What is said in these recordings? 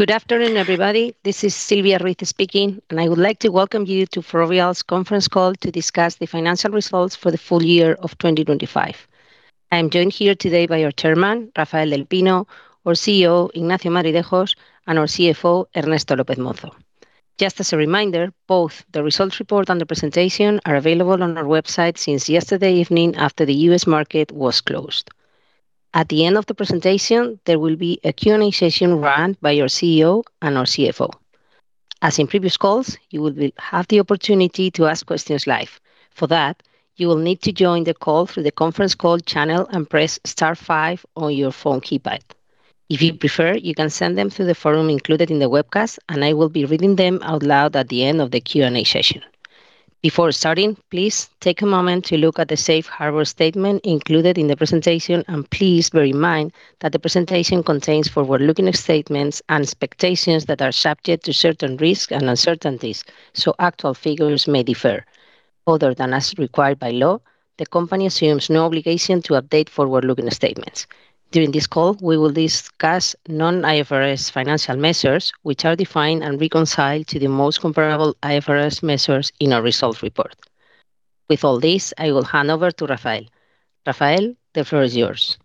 Good afternoon, everybody. This is Silvia Ruiz speaking, I would like to welcome you to Ferrovial's conference call to discuss the financial results for the full year of 2025. I'm joined here today by our Chairman, Rafael del Pino, our CEO, Ignacio Madridejos, and our CFO, Ernesto López Mozo. Just as a reminder, both the results report and the presentation are available on our website since yesterday evening after the U.S. market was closed. At the end of the presentation, there will be a Q&A session run by our CEO and our CFO. As in previous calls, you will have the opportunity to ask questions live. For that, you will need to join the call through the conference call channel and press star five on your phone keypad. If you prefer, you can send them through the forum included in the webcast, and I will be reading them out loud at the end of the Q&A session. Before starting, please take a moment to look at the safe harbor statement included in the presentation. Please bear in mind that the presentation contains forward-looking statements and expectations that are subject to certain risks and uncertainties, so actual figures may differ. Other than as required by law, the company assumes no obligation to update forward-looking statements. During this call, we will discuss non-IFRS financial measures, which are defined and reconciled to the most comparable IFRS measures in our results report. With all this, I will hand over to Rafael. Rafael, the floor is yours.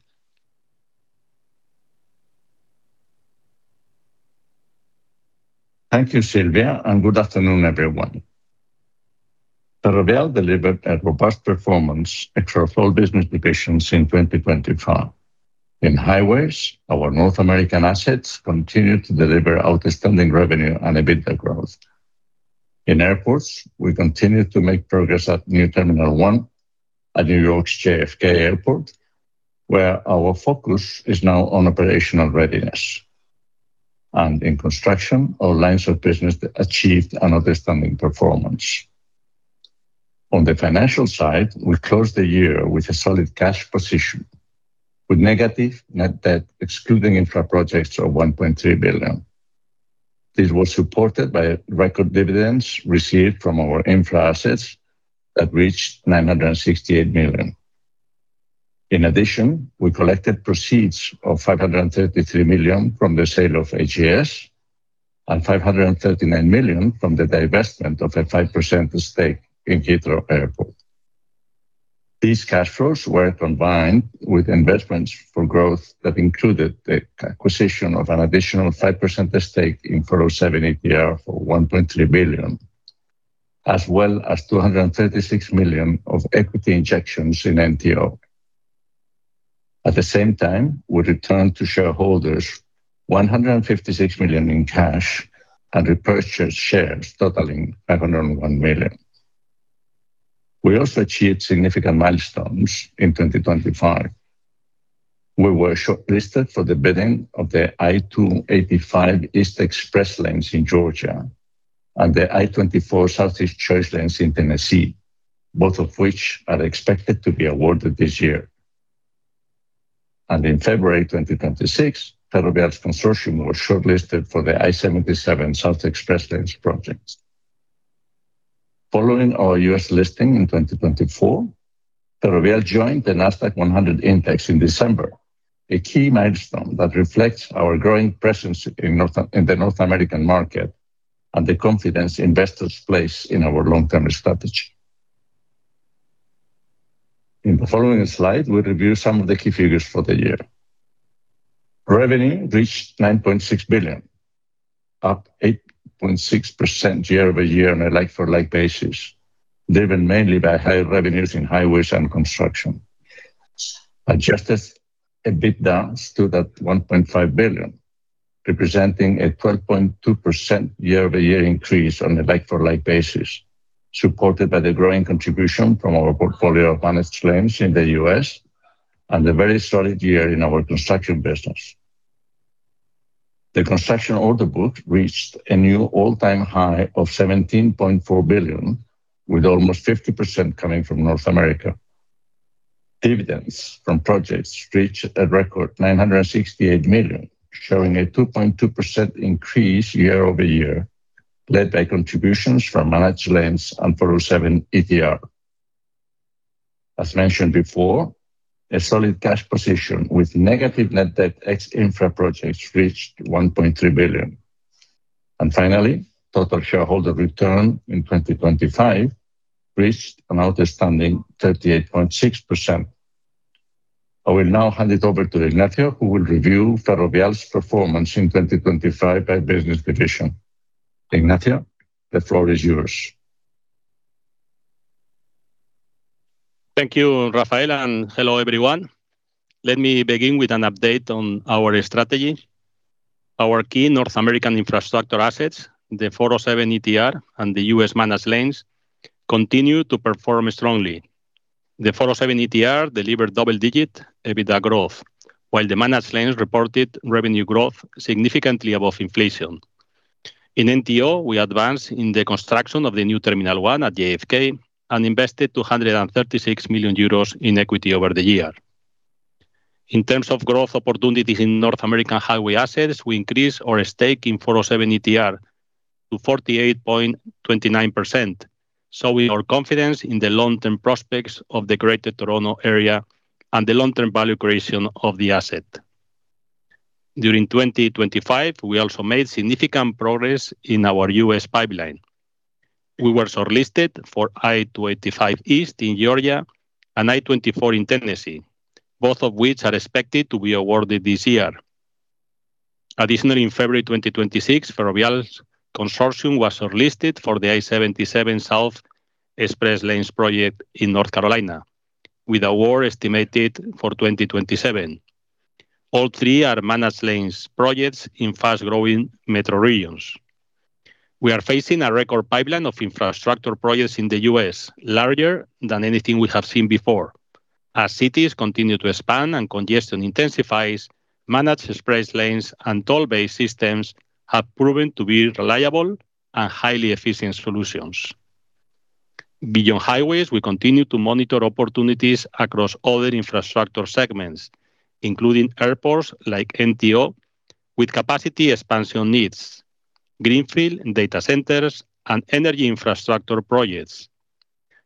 Thank you, Silvia, good afternoon, everyone. Ferrovial delivered a robust performance across all business divisions in 2025. In highways, our North American assets continued to deliver outstanding revenue and EBITDA growth. In airports, we continued to make progress at New Terminal One at New York's JFK Airport, where our focus is now on operational readiness. In construction, our lines of business achieved an outstanding performance. On the financial side, we closed the year with a solid cash position, with negative net debt, excluding infra projects, of 1.3 billion. This was supported by record dividends received from our infra assets that reached 968 million. In addition, we collected proceeds of 533 million from the sale of AGS and 539 million from the divestment of a 5% stake in Heathrow Airport. These cash flows were combined with investments for growth that included the acquisition of an additional 5% stake in 407 ETR for 1.3 billion, as well as $236 million of equity injections in NTO. We returned to shareholders 156 million in cash and repurchased shares totaling 501 million. We also achieved significant milestones in 2025. We were shortlisted for the bidding of the I-285 East Express Lanes in Georgia and the I-24 Southeast Choice Lanes in Tennessee, both of which are expected to be awarded this year. In February 2026, Ferrovial's consortium was shortlisted for the I-77 South Express Lanes projects. Following our U.S. listing in 2024, Ferrovial joined the Nasdaq-100 Index in December, a key milestone that reflects our growing presence in the North American market and the confidence investors place in our long-term strategy. In the following slide, we review some of the key figures for the year. Revenue reached 9.6 billion, up 8.6% year-over-year on a like-for-like basis, driven mainly by high revenues in highways and construction. Adjusted EBITDA stood at 1.5 billion, representing a 12.2% year-over-year increase on a like-for-like basis, supported by the growing contribution from our portfolio of managed lanes in the U.S. and a very solid year in our construction business. The construction order book reached a new all-time high of 17.4 billion, with almost 50% coming from North America. Dividends from projects reached a record 968 million, showing a 2.2% increase year-over-year, led by contributions from managed lanes and 407 ETR. As mentioned before, a solid cash position with negative net debt, ex-infra projects, reached 1.3 billion. Finally, total shareholder return in 2025 reached an outstanding 38.6%. I will now hand it over to Ignacio, who will review Ferrovial's performance in 2025 by business division. Ignacio, the floor is yours. Thank you, Rafael, and hello, everyone. Let me begin with an update on our strategy. Our key North American infrastructure assets, the 407 ETR and the U.S. managed lanes, continue to perform strongly. The 407 ETR delivered double-digit EBITDA growth, while the managed lanes reported revenue growth significantly above inflation. In NTO, we advanced in the construction of the New Terminal One at JFK and invested 236 million euros in equity over the year. In terms of growth opportunities in North American highway assets, we increased our stake in 407 ETR to 48.29%. We are confident in the long-term prospects of the Greater Toronto Area and the long-term value creation of the asset. During 2025, we also made significant progress in our US pipeline. We were shortlisted for I-285 East in Georgia and I-24 in Tennessee, both of which are expected to be awarded this year. Additionally, in February 2026, Ferrovial's consortium was shortlisted for the I-77 South Express Lanes project in North Carolina, with award estimated for 2027. All three are managed lanes projects in fast-growing metro regions. We are facing a record pipeline of infrastructure projects in the U.S., larger than anything we have seen before. As cities continue to expand and congestion intensifies, managed express lanes and toll-based systems have proven to be reliable and highly efficient solutions. Beyond highways, we continue to monitor opportunities across other infrastructure segments, including airports like NTO, with capacity expansion needs, greenfield data centers, and energy infrastructure projects.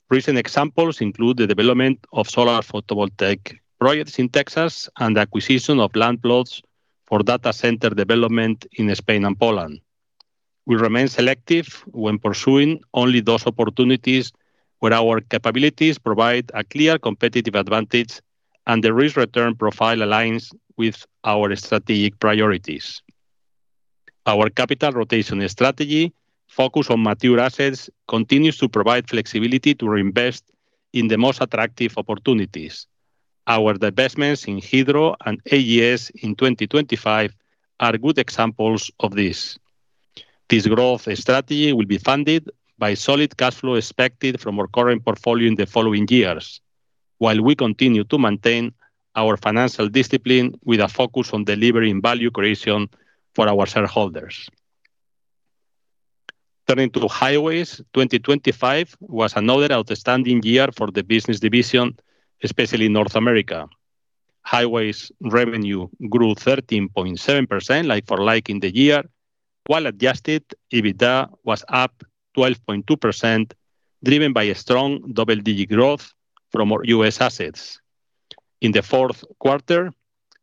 Recent examples include the development of solar photovoltaic projects in Texas and acquisition of land plots for data center development in Spain and Poland. We remain selective when pursuing only those opportunities where our capabilities provide a clear competitive advantage, and the risk-return profile aligns with our strategic priorities. Our capital rotation strategy focus on mature assets, continues to provide flexibility to reinvest in the most attractive opportunities. Our divestments in Heathrow and AES in 2025 are good examples of this. This growth strategy will be funded by solid cash flow expected from our current portfolio in the following years, while we continue to maintain our financial discipline with a focus on delivering value creation for our shareholders. Turning to highways, 2025 was another outstanding year for the business division, especially North America. Highways revenue grew 13.7% like-for-like in the year, while adjusted EBITDA was up 12.2%, driven by a strong double-digit growth from our U.S. assets. In the fourth quarter,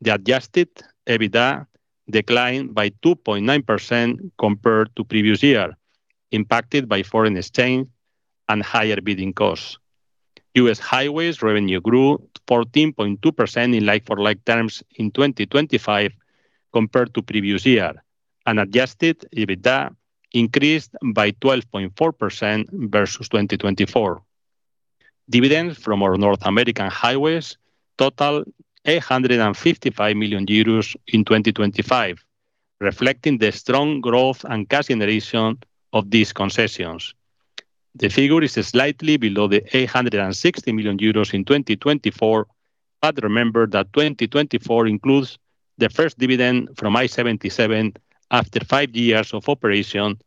the adjusted EBITDA declined by 2.9% compared to previous year, impacted by foreign exchange and higher bidding costs. U.S. highways revenue grew 14.2% in like-for-like terms in 2025 compared to previous year, and adjusted EBITDA increased by 12.4% versus 2024. Dividends from our North American highways total 855 million euros in 2025, reflecting the strong growth and cash generation of these concessions. The figure is slightly below the 860 million euros in 2024. Remember that 2024 includes the first dividend from I-77 after five years of operation,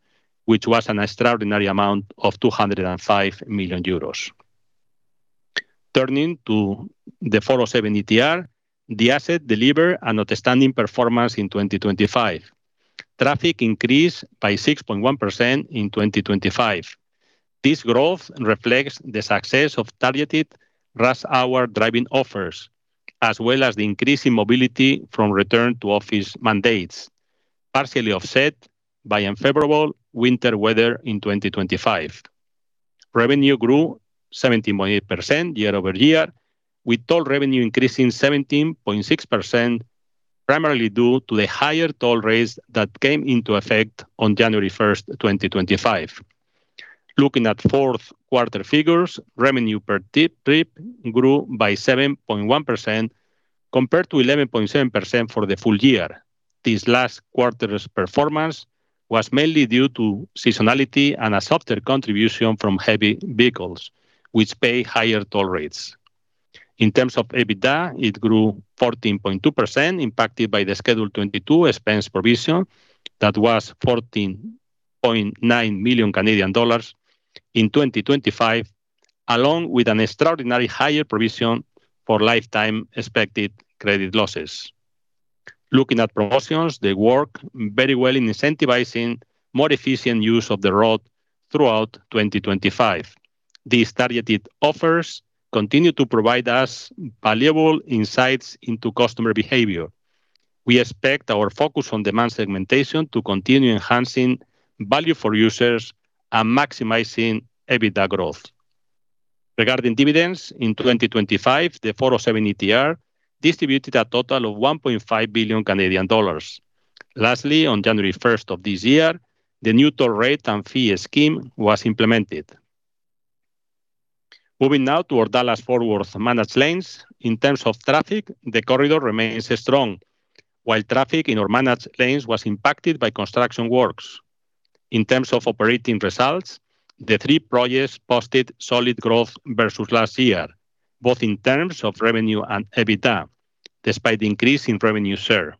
which was an extraordinary amount of 205 million euros. Turning to the 407 ETR, the asset delivered an outstanding performance in 2025. Traffic increased by 6.1% in 2025. This growth reflects the success of targeted rush-hour driving offers, as well as the increase in mobility from return to office mandates, partially offset by unfavorable winter weather in 2025. Revenue grew 17.8% year-over-year, with toll revenue increasing 17.6%, primarily due to the higher toll rates that came into effect on January first, 2025. Looking at fourth quarter figures, revenue per trip grew by 7.1%, compared to 11.7% for the full year. This last quarter's performance was mainly due to seasonality and a softer contribution from heavy vehicles, which pay higher toll rates. In terms of EBITDA, it grew 14.2%, impacted by the Schedule 22 expense provision. That was 14.9 million Canadian dollars in 2025, along with an extraordinary higher provision for lifetime expected credit losses. Looking at promotions, they work very well in incentivizing more efficient use of the road throughout 2025. These targeted offers continue to provide us valuable insights into customer behavior. We expect our focus on demand segmentation to continue enhancing value for users and maximizing EBITDA growth. Regarding dividends, in 2025, the 407 ETR distributed a total of 1.5 billion Canadian dollars. Lastly, on January 1st of this year, the new toll rate and fee scheme was implemented. Moving now to our Dallas-Fort Worth managed lanes. In terms of traffic, the corridor remains strong, while traffic in our managed lanes was impacted by construction works. In terms of operating results, the three projects posted solid growth versus last year, both in terms of revenue and EBITDA, despite the increase in revenue share.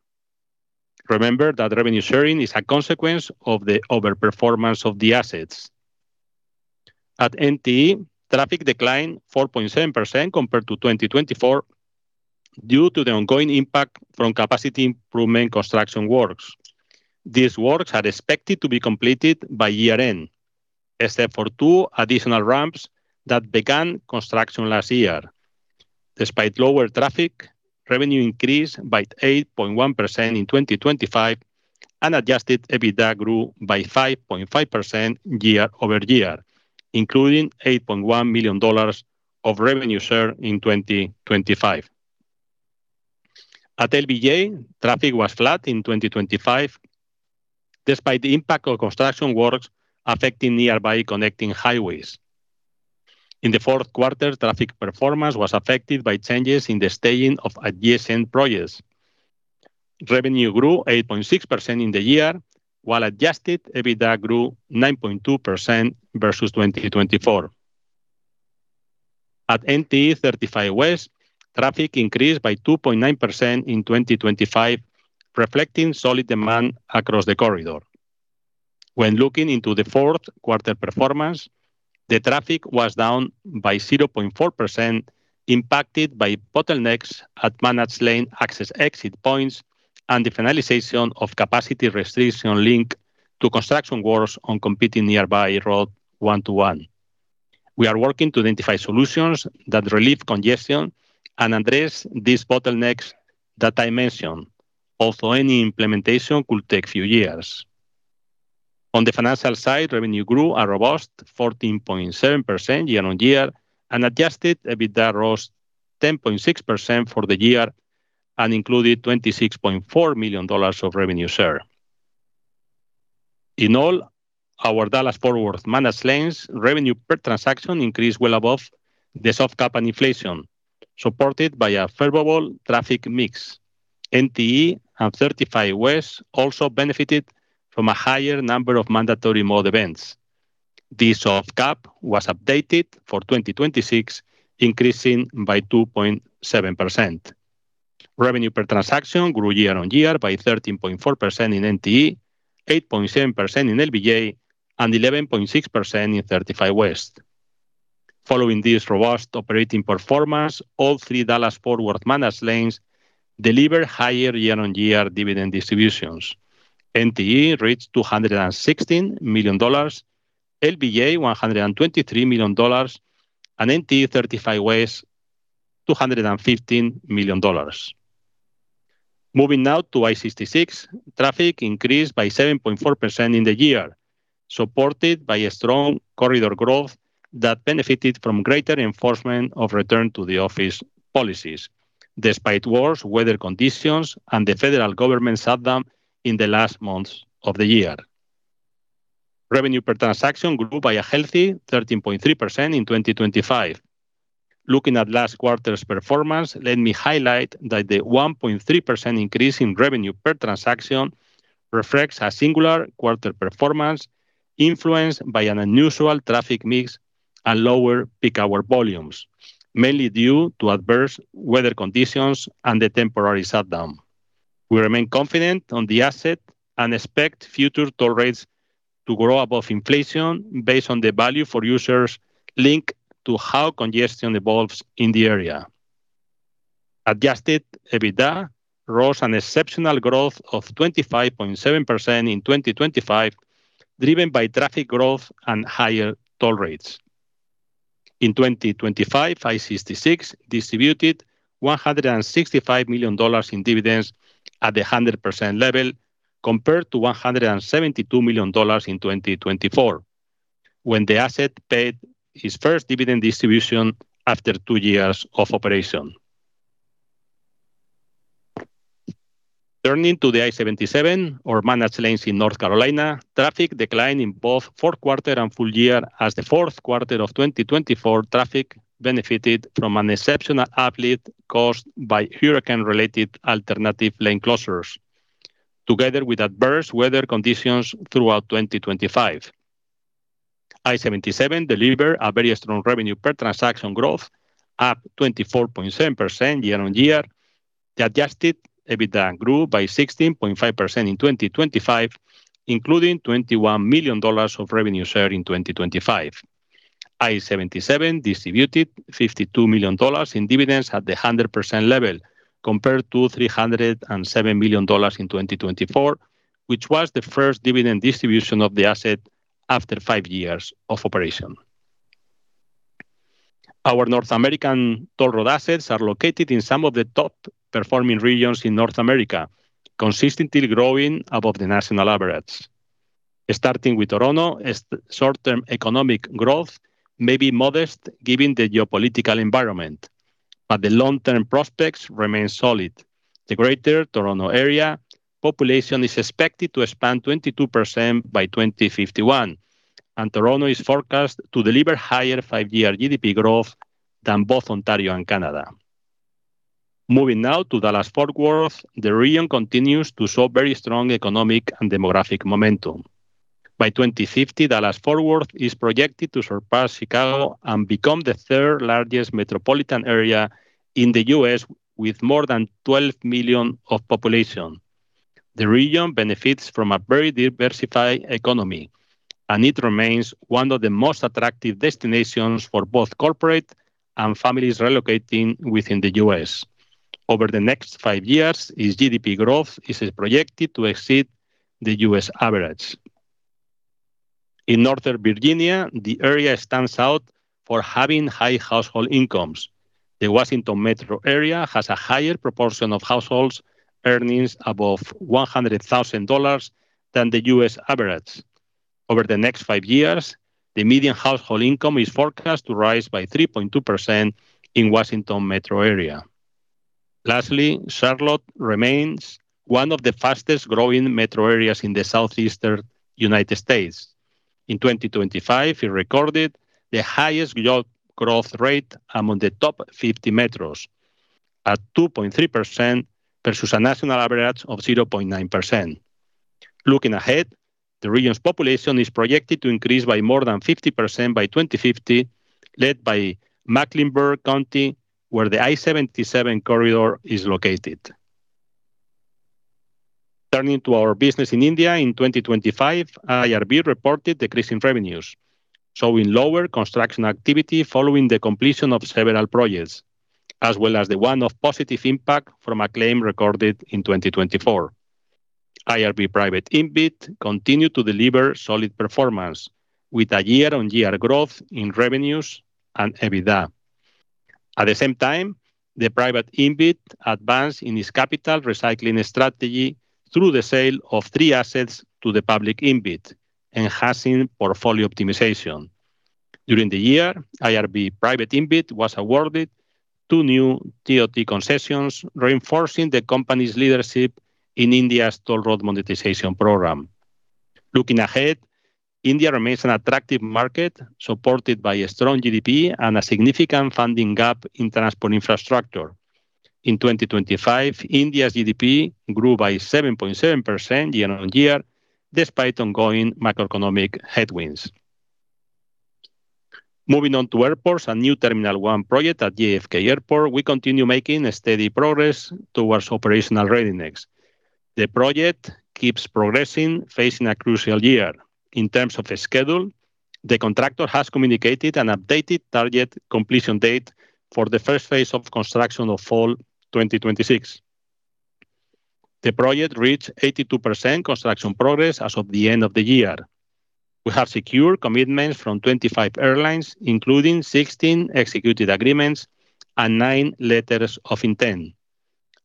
Remember that revenue sharing is a consequence of the overperformance of the assets. At NTE, traffic declined 4.7% compared to 2024, due to the ongoing impact from capacity improvement construction works. These works are expected to be completed by year-end, except for two additional ramps that began construction last year. Despite lower traffic, revenue increased by 8.1% in 2025, and adjusted EBITDA grew by 5.5% year-over-year, including $8.1 million of revenue share in 2025. At LBJ, traffic was flat in 2025, despite the impact of construction works affecting nearby connecting highways. In the fourth quarter, traffic performance was affected by changes in the staging of adjacent projects. Revenue grew 8.6% in the year, while adjusted EBITDA grew 9.2% versus 2024. At NTE 35W, traffic increased by 2.9% in 2025, reflecting solid demand across the corridor. When looking into the fourth quarter performance, the traffic was down by 0.4%, impacted by bottlenecks at managed lane access/exit points, and the finalization of capacity restriction linked to construction works on competing nearby Road 121. We are working to identify solutions that relieve congestion and address these bottlenecks that I mentioned, although any implementation could take few years. On the financial side, revenue grew a robust 14.7% year-on-year, and adjusted EBITDA rose 10.6% for the year, and included $26.4 million of revenue share. In all, our Dallas-Fort Worth managed lanes revenue per transaction increased well above the soft cap and inflation, supported by a favorable traffic mix. NTE and 35W also benefited from a higher number of mandatory mode events. The soft cap was updated for 2026, increasing by 2.7%. Revenue per transaction grew year-over-year by 13.4% in NTE, 8.7% in LBJ, and 11.6% in 35W. Following this robust operating performance, all three Dallas-Fort Worth managed lanes delivered higher year-over-year dividend distributions. NTE reached $216 million, LBJ, $123 million, and NTE 35W, $215 million. Moving now to I-66, traffic increased by 7.4% in the year, supported by a strong corridor growth that benefited from greater enforcement of return to the office policies, despite worse weather conditions and the federal government shutdown in the last months of the year. Revenue per transaction grew by a healthy 13.3% in 2025. Looking at last quarter's performance, let me highlight that the 1.3% increase in revenue per transaction reflects a singular quarter performance, influenced by an unusual traffic mix and lower peak hour volumes, mainly due to adverse weather conditions and the temporary shutdown. We remain confident on the asset and expect future toll rates to grow above inflation based on the value for users linked to how congestion evolves in the area. Adjusted EBITDA rose an exceptional growth of 25.7% in 2025, driven by traffic growth and higher toll rates. In 2025, I-66 distributed $165 million in dividends at the 100% level, compared to $172 million in 2024, when the asset paid its first dividend distribution after two years of operation. Turning to the I-77 or managed lanes in North Carolina, traffic declined in both fourth quarter and full year, as the fourth quarter of 2024 traffic benefited from an exceptional uplift caused by hurricane-related alternative lane closures, together with adverse weather conditions throughout 2025. I-77 delivered a very strong revenue per transaction growth, up 24.7% year-on-year. The adjusted EBITDA grew by 16.5% in 2025, including $21 million of revenue share in 2025. I-77 distributed $52 million in dividends at the 100% level, compared to $307 million in 2024, which was the first dividend distribution of the asset after five years of operation. Our North American toll road assets are located in some of the top-performing regions in North America, consistently growing above the national average. Starting with Toronto, as the short-term economic growth may be modest given the geopolitical environment, but the long-term prospects remain solid. The Greater Toronto Area population is expected to expand 22% by 2051, and Toronto is forecast to deliver higher 5-year GDP growth than both Ontario and Canada. Moving now to Dallas-Fort Worth, the region continues to show very strong economic and demographic momentum. By 2050, Dallas-Fort Worth is projected to surpass Chicago and become the third largest metropolitan area in the U.S., with more than 12 million of population. The region benefits from a very diversified economy, it remains one of the most attractive destinations for both corporate and families relocating within the U.S. Over the next five years, its GDP growth is projected to exceed the U.S. average. In Northern Virginia, the area stands out for having high household incomes. The Washington metro area has a higher proportion of households earnings above $100,000 than the U.S. average. Over the next five years, the median household income is forecast to rise by 3.2% in Washington metro area. Lastly, Charlotte remains one of the fastest-growing metro areas in the southeastern United States. In 2025, it recorded the highest job growth rate among the top 50 metros, at 2.3% versus a national average of 0.9%. Looking ahead, the region's population is projected to increase by more than 50% by 2050, led by Mecklenburg County, where the I-77 is located. Turning to our business in India, in 2025, IRB reported a decrease in revenues, showing lower construction activity following the completion of several projects, as well as the one-off positive impact from a claim recorded in 2024. IRB Private InvIT continued to deliver solid performance with a year-on-year growth in revenues and EBITDA. At the same time, the Private InvIT advanced in its capital recycling strategy through the sale of three assets to the Public InvIT, enhancing portfolio optimization. During the year, IRB Infrastructure Trust was awarded two new DOT concessions, reinforcing the company's leadership in India's toll road monetization program. Looking ahead, India remains an attractive market, supported by a strong GDP and a significant funding gap in transport infrastructure. In 2025, India's GDP grew by 7.7% year-over-year, despite ongoing macroeconomic headwinds. Moving on to airports and New Terminal One project at JFK Airport, we continue making a steady progress towards operational readiness. The project keeps progressing, facing a crucial year. In terms of the schedule, the contractor has communicated an updated target completion date for the first phase of construction of fall 2026. The project reached 82% construction progress as of the end of the year. We have secured commitments from 25 airlines, including 16 executed agreements and nine letters of intent.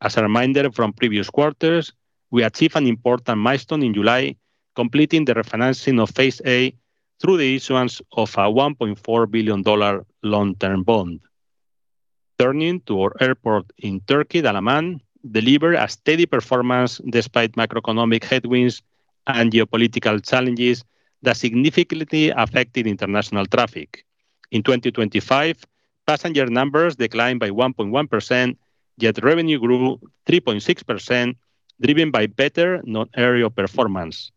As a reminder from previous quarters, we achieved an important milestone in July, completing the refinancing of phase A through the issuance of a $1.4 billion long-term bond. Turning to our airport in Turkey, Dalaman, delivered a steady performance despite macroeconomic headwinds and geopolitical challenges that significantly affected international traffic. In 2025, passenger numbers declined by 1.1%, yet revenue grew 3.6%, driven by better non-aerial performance.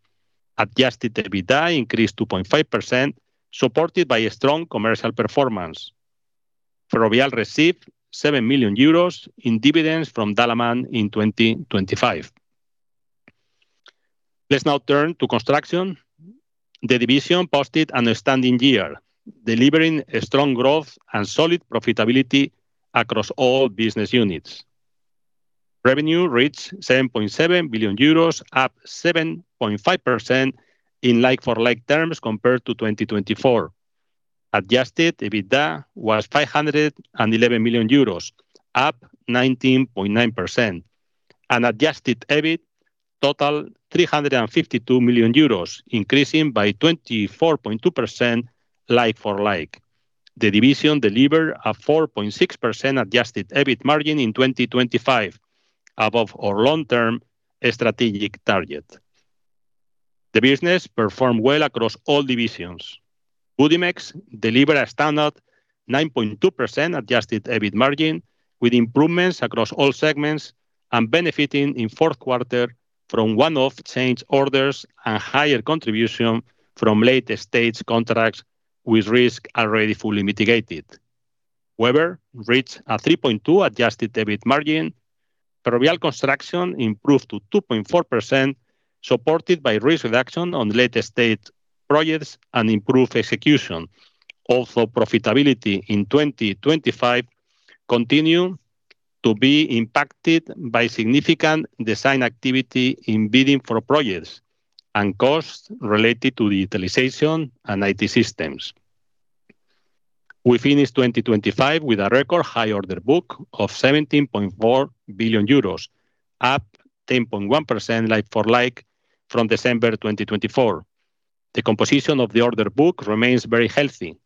Adjusted EBITDA increased 2.5%, supported by a strong commercial performance. Ferrovial received 7 million euros in dividends from Dalaman in 2025. Let's now turn to construction. The division posted an outstanding year, delivering a strong growth and solid profitability across all business units. Revenue reached 7.7 billion euros, up 7.5% in like-for-like terms compared to 2024. Adjusted EBITDA was 511 million euros, up 19.9%, and adjusted EBIT total, 352 million euros, increasing by 24.2% like-for-like. The division delivered a 4.6% adjusted EBIT margin in 2025, above our long-term strategic target. The business performed well across all divisions. Budimex delivered a standout 9.2% adjusted EBIT margin, with improvements across all segments and benefiting in fourth quarter from one-off change orders and higher contribution from later stage contracts with risk already fully mitigated. Webber reached a 3.2% adjusted EBIT margin. Ferrovial Construction improved to 2.4%, supported by risk reduction on later state projects and improved execution. Profitability in 2025 continued to be impacted by significant design activity in bidding for projects and costs related to the utilization and IT systems. We finished 2025 with a record high order book of 17.4 billion euros, up 10.1% like-for-like from December 2024. The composition of the order book remains very healthy.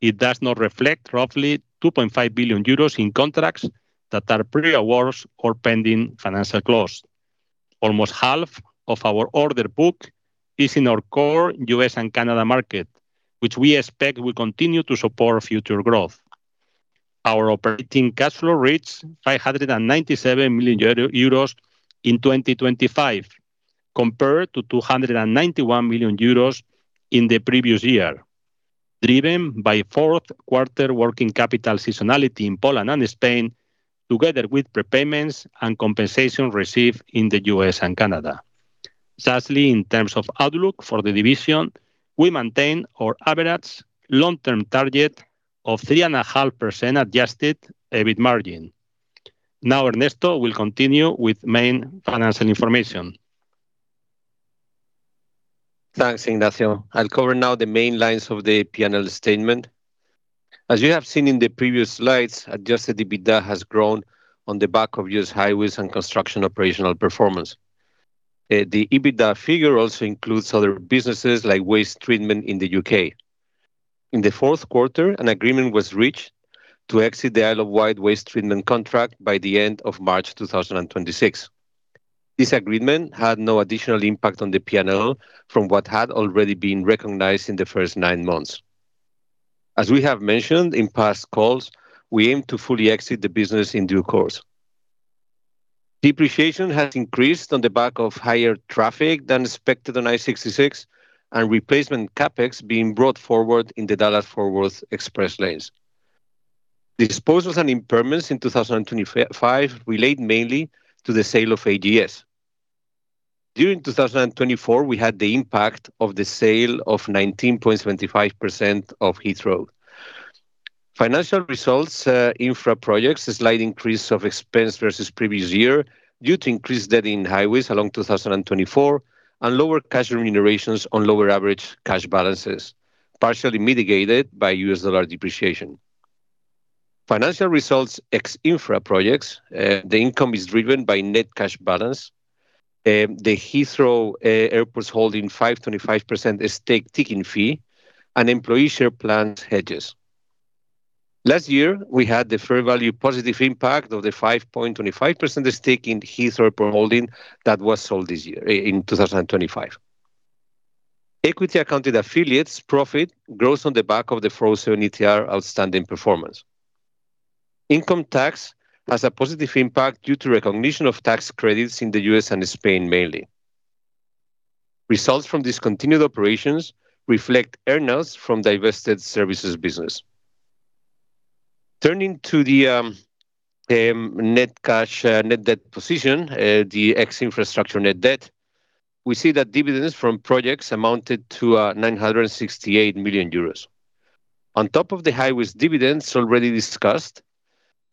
It does not reflect roughly 2.5 billion euros in contracts that are pre-awards or pending financial close. Almost half of our order book is in our core U.S. and Canada market, which we expect will continue to support future growth. Our operating cash flow reached 597 million euros in 2025, compared to 291 million euros in the previous year, driven by fourth quarter working capital seasonality in Poland and Spain, together with prepayments and compensation received in the U.S. and Canada. Lastly, in terms of outlook for the division, we maintain our average long-term target of 3.5% adjusted EBIT margin. Now, Ernesto will continue with main financial information. Thanks, Ignacio. I'll cover now the main lines of the P&L statement. As you have seen in the previous slides, adjusted EBITDA has grown on the back of U.S. highways and construction operational performance. The EBITDA figure also includes other businesses like waste treatment in the U.K. In the fourth quarter, an agreement was reached to exit the Isle of Wight waste treatment contract by the end of March 2026. This agreement had no additional impact on the P&L from what had already been recognized in the first nine months. As we have mentioned in past calls, we aim to fully exit the business in due course. Depreciation has increased on the back of higher traffic than expected on I-66, and replacement CapEx being brought forward in the Dallas-Fort Worth Express Lanes. The disposals and impairments in 2025 relate mainly to the sale of AGS. During 2024, we had the impact of the sale of 19.25% of Heathrow. Financial results, infra projects, a slight increase of expense versus previous year due to increased debt in highways along 2024, and lower cash remunerations on lower average cash balances, partially mitigated by US dollar depreciation. Financial results, ex infra projects, the income is driven by net cash balance, the Heathrow Airport Holdings 5.25% stake ticking fee, and employee share plan hedges. Last year, we had the fair value positive impact of the 5.25% stake in Heathrow Holding that was sold this year, in 2025. Equity accounted affiliates' profit grows on the back of the 407 ETR outstanding performance. Income tax has a positive impact due to recognition of tax credits in the U.S. and Spain, mainly. Results from discontinued operations reflect earnings from divested services business. Turning to the net cash, net debt position, the ex-infrastructure net debt, we see that dividends from projects amounted to 968 million euros. On top of the highways dividends already discussed,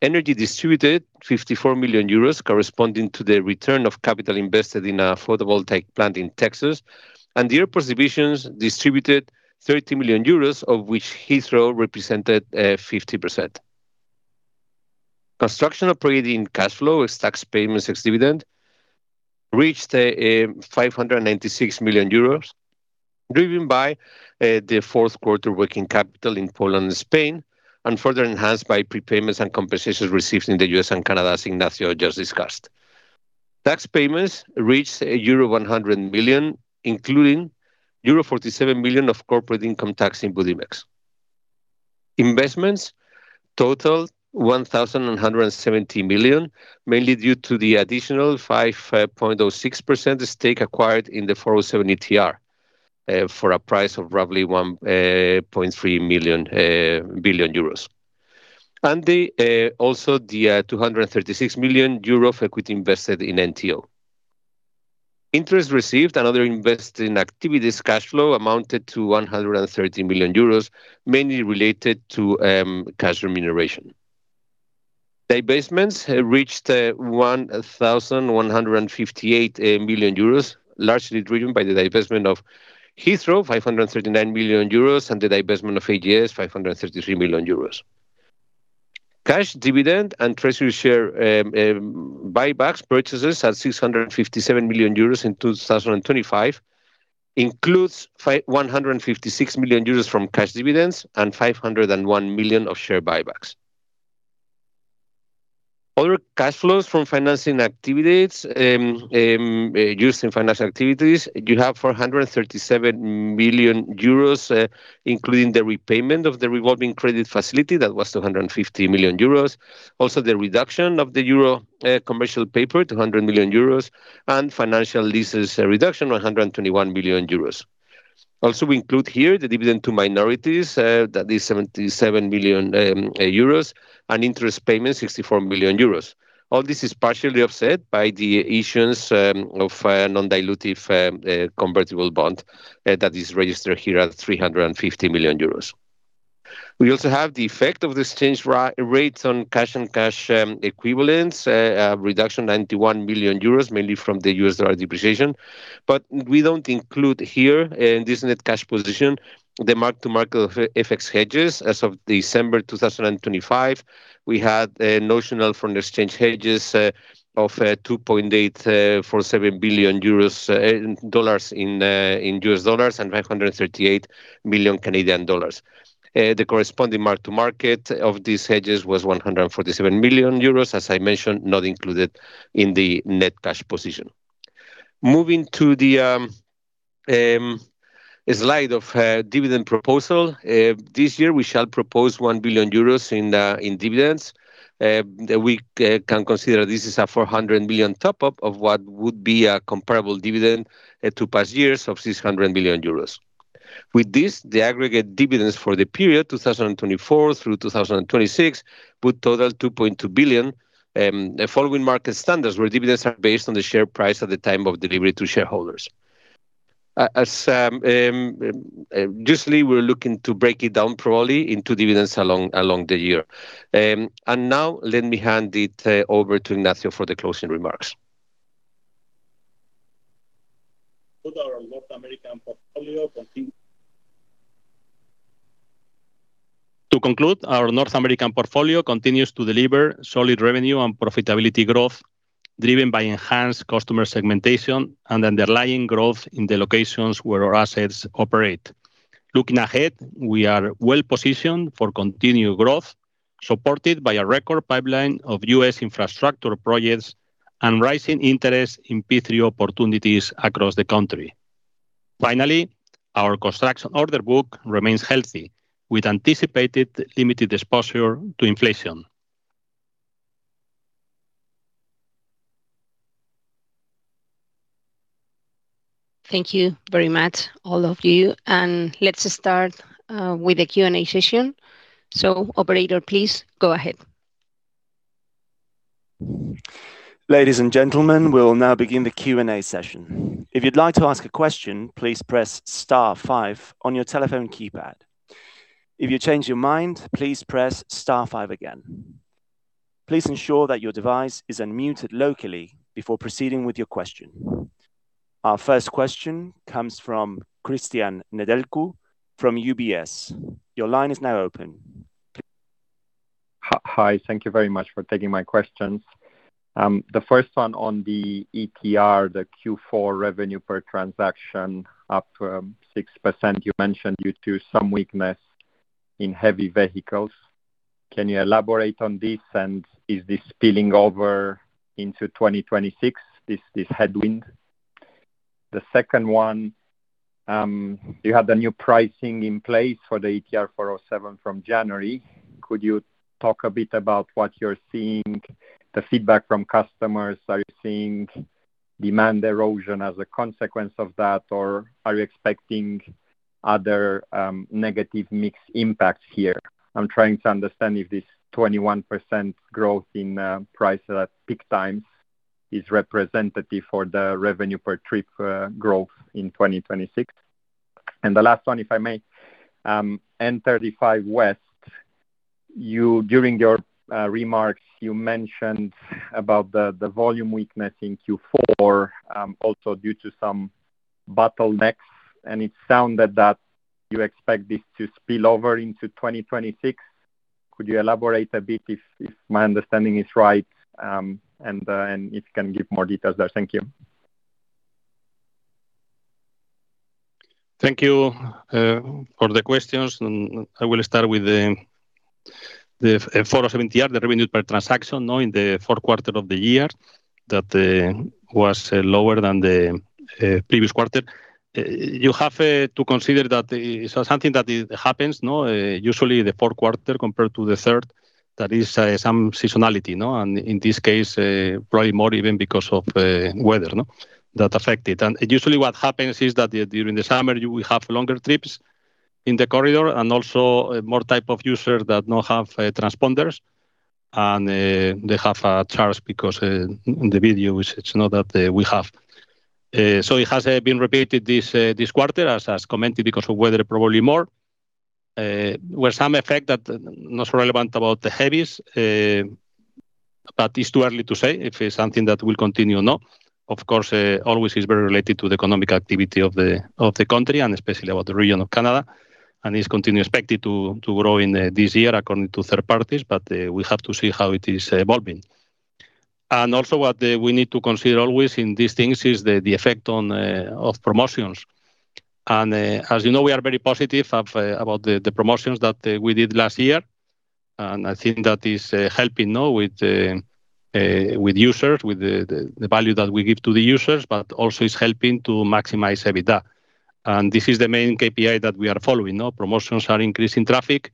energy distributed 54 million euros, corresponding to the return of capital invested in a photovoltaic plant in Texas, and the airports divisions distributed 30 million euros, of which Heathrow represented 50%. Construction operating cash flow is tax payments ex-dividend, reached 596 million euros, driven by the fourth quarter working capital in Poland and Spain, and further enhanced by prepayments and compensation received in the U.S. and Canada, as Ignacio just discussed. Tax payments reached a euro 100 million, including euro 47 million of corporate income tax in Budimex. Investments totaled 1,170 million, mainly due to the additional 5.06% stake acquired in the 407 ETR, for a price of roughly 1.3 billion euros. Also the 236 million euro of equity invested in NTO. Interest received and other investing activities cash flow amounted to 113 million euros, mainly related to cash remuneration. Divestments reached 1,158 million euros, largely driven by the divestment of Heathrow, 539 million euros, and the divestment of AGS, 533 million euros. Cash dividend and treasury share buybacks purchases at 657 million euros in 2025, includes 156 million euros from cash dividends and 501 million of share buybacks. Other cash flows from financing activities used in financial activities, you have 437 million euros, including the repayment of the revolving credit facility, that was 250 million euros. Also, the reduction of the euro commercial paper, 200 million euros, and financial leases reduction, 121 million euros. Also, we include here the dividend to minorities, that is 77 million euros, and interest payments, 64 million euros. All this is partially offset by the issuance of a non-dilutive convertible bond that is registered here at 350 million euros. We also have the effect of the exchange rates on cash and cash equivalents, a reduction 91 million euros, mainly from the US dollar depreciation. We don't include here in this net cash position, the mark-to-market FX hedges. As of December 2025, we had a notional from the exchange hedges of $2.847 billion and CAD 538 million. The corresponding mark-to-market of these hedges was 147 million euros, as I mentioned, not included in the net cash position. Moving to the slide of dividend proposal. This year, we shall propose 1 billion euros in dividends. We can consider this is a 400 million top-up of what would be a comparable dividend, to past years of 600 million euros. With this, the aggregate dividends for the period 2024 through 2026 will total 2.2 billion, following market standards, where dividends are based on the share price at the time of delivery to shareholders. As usually, we're looking to break it down probably into dividends along the year. Now let me hand it over to Ignacio for the closing remarks. To conclude, our North American portfolio continues to deliver solid revenue and profitability growth, driven by enhanced customer segmentation and underlying growth in the locations where our assets operate. Looking ahead, we are well positioned for continued growth, supported by a record pipeline of U.S. infrastructure projects and rising interest in P3 opportunities across the country. Finally, our construction order book remains healthy, with anticipated limited exposure to inflation. Thank you very much, all of you, and let's start with the Q&A session. Operator, please go ahead. Ladies and gentlemen, we'll now begin the Q&A session. If you'd like to ask a question, please press star five on your telephone keypad. If you change your mind, please press star five again. Please ensure that your device is unmuted locally before proceeding with your question. Our first question comes from Cristian Nedelcu from UBS. Your line is now open. Hi, hi. Thank you very much for taking my questions. The first one on the ETR, the Q4 revenue per transaction, up to 6%, you mentioned due to some weakness in heavy vehicles. Can you elaborate on this? Is this spilling over into 2026, this headwind? The second one, you have the new pricing in place for the ETR 407 from January. Could you talk a bit about what you're seeing, the feedback from customers? Are you seeing demand erosion as a consequence of that, or are you expecting other negative mix impacts here? I'm trying to understand if this 21% growth in price at peak times is representative for the revenue per trip growth in 2026. The last one, if I may, NTE 35W, during your remarks, you mentioned about the volume weakness in Q4, also due to some bottlenecks, and it sounded that you expect this to spill over into 2026. Could you elaborate a bit if my understanding is right, and if you can give more details there? Thank you. Thank you for the questions. I will start with the 407 ETR, the revenue per transaction. In the fourth quarter of the year, that was lower than the previous quarter. You have to consider that something that happens, no? Usually the fourth quarter compared to the third, that is some seasonality, no? In this case, probably more even because of weather, no, that affected. Usually what happens is that during the summer, you will have longer trips in the corridor, also more type of users that not have transponders, they have a charge because the video, it's not that we have. It has been repeated this this quarter, as commented, because of weather, probably more with some effect that not relevant about the heavies, but it's too early to say if it's something that will continue or not. Of course, always is very related to the economic activity of the country, and especially about the region of Canada, and is continued expected to grow this year, according to third parties, but we have to see how it is evolving. What we need to consider always in these things is the effect on of promotions. As you know, we are very positive of about the promotions that we did last year, and I think that is helping now with with users, with the value that we give to the users, but also it's helping to maximize EBITDA. This is the main KPI that we are following. Promotions are increasing traffic,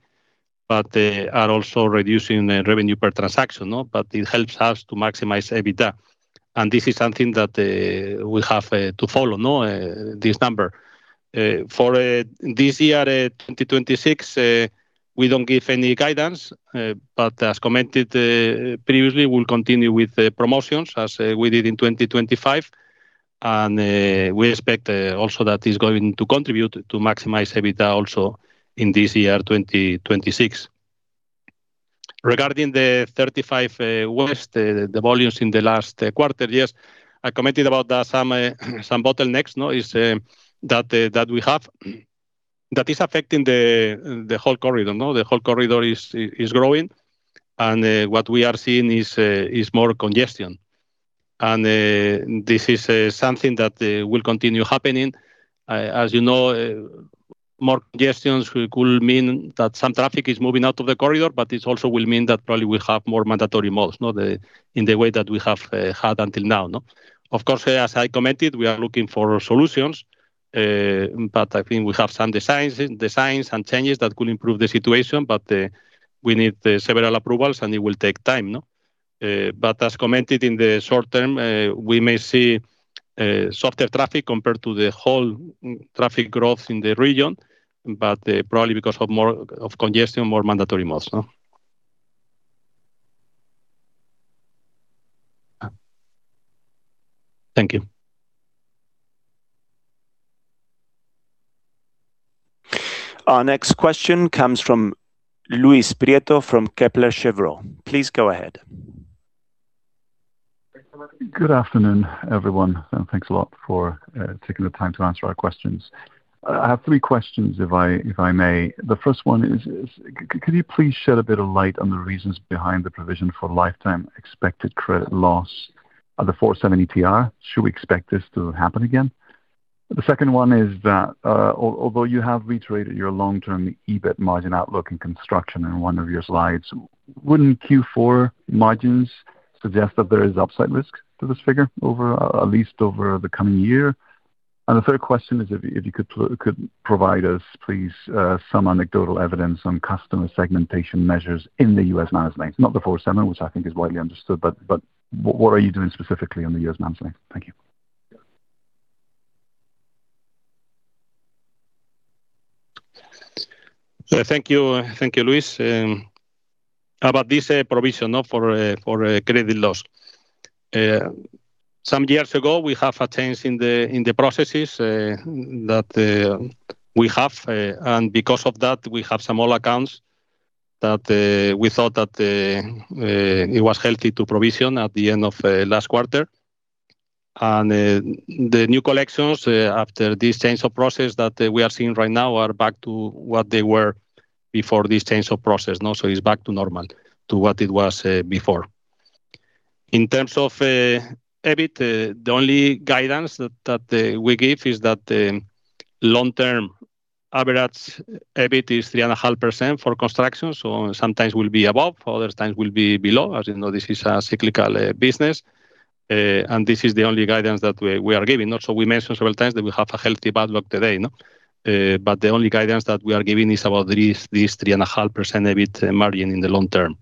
but they are also reducing the revenue per transaction. It helps us to maximize EBITDA, and this is something that we have to follow, this number. For this year, 2026, we don't give any guidance, but as commented previously, we'll continue with the promotions as we did in 2025. We expect also that is going to contribute to maximize EBITDA also in this year, 2026. Regarding the NTE 35W, the volumes in the last quarter, yes, I commented about that some bottlenecks, no, is, that we have, that is affecting the whole corridor, no? The whole corridor is growing, what we are seeing is more congestion. This is something that will continue happening. As you know, more congestions will mean that some traffic is moving out of the corridor, but this also will mean that probably we have more mandatory modes, no, in the way that we have had until now, no? Of course, as I commented, we are looking for solutions, but I think we have some designs and changes that could improve the situation, but, we need, several approvals, and it will take time, no? As commented in the short term, we may see softer traffic compared to the whole traffic growth in the region, but probably because of more of congestion, more mandatory modes? Thank you. Our next question comes from Luis Prieto from Kepler Cheuvreux. Please go ahead. Good afternoon, everyone, and thanks a lot for taking the time to answer our questions. I have three questions, if I may. The first one is, could you please shed a bit of light on the reasons behind the provision for lifetime expected credit loss of the 407 ETR? Should we expect this to happen again? The second one is that, although you have reiterated your long-term EBIT margin outlook in construction in one of your slides, wouldn't Q4 margins suggest that there is upside risk to this figure over, at least over the coming year? The third question is if you could provide us, please, some anecdotal evidence on customer segmentation measures in the U.S. managed lanes, not the 407, which I think is widely understood, but what are you doing specifically on the U.S. managed lane? Thank you. Thank you. Thank you, Luis. About this provision for credit loss. Some years ago, we have a change in the processes that we have, and because of that, we have some old accounts that we thought that it was healthy to provision at the end of last quarter. The new collections after this change of process that we are seeing right now are back to what they were before this change of process. It's back to normal, to what it was before. In terms of EBIT, the only guidance that we give is that long-term average EBIT is 3.5% for construction, so sometimes will be above, other times will be below. As you know, this is a cyclical business. This is the only guidance that we are giving. We mentioned several times that we have a healthy backlog today, no? The only guidance that we are giving is about this 3.5% EBIT margin in the long term.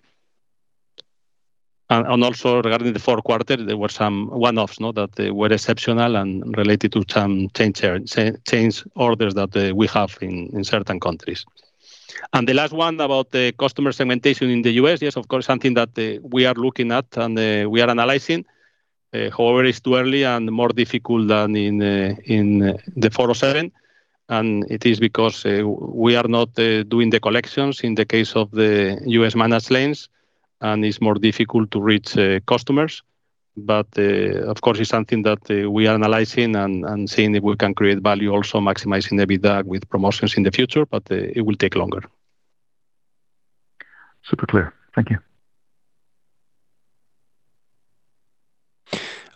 Also regarding the fourth quarter, there were some one-offs that they were exceptional and related to some change orders that we have in certain countries. The last one about the customer segmentation in the U.S., yes, of course, something that we are looking at and we are analyzing. However, it's too early and more difficult than in the 407 ETR, and it is because we are not doing the collections in the case of the U.S. managed lanes, and it's more difficult to reach customers. Of course, it's something that we are analyzing and seeing if we can create value, also maximizing the EBITDA with promotions in the future, it will take longer. Super clear. Thank you.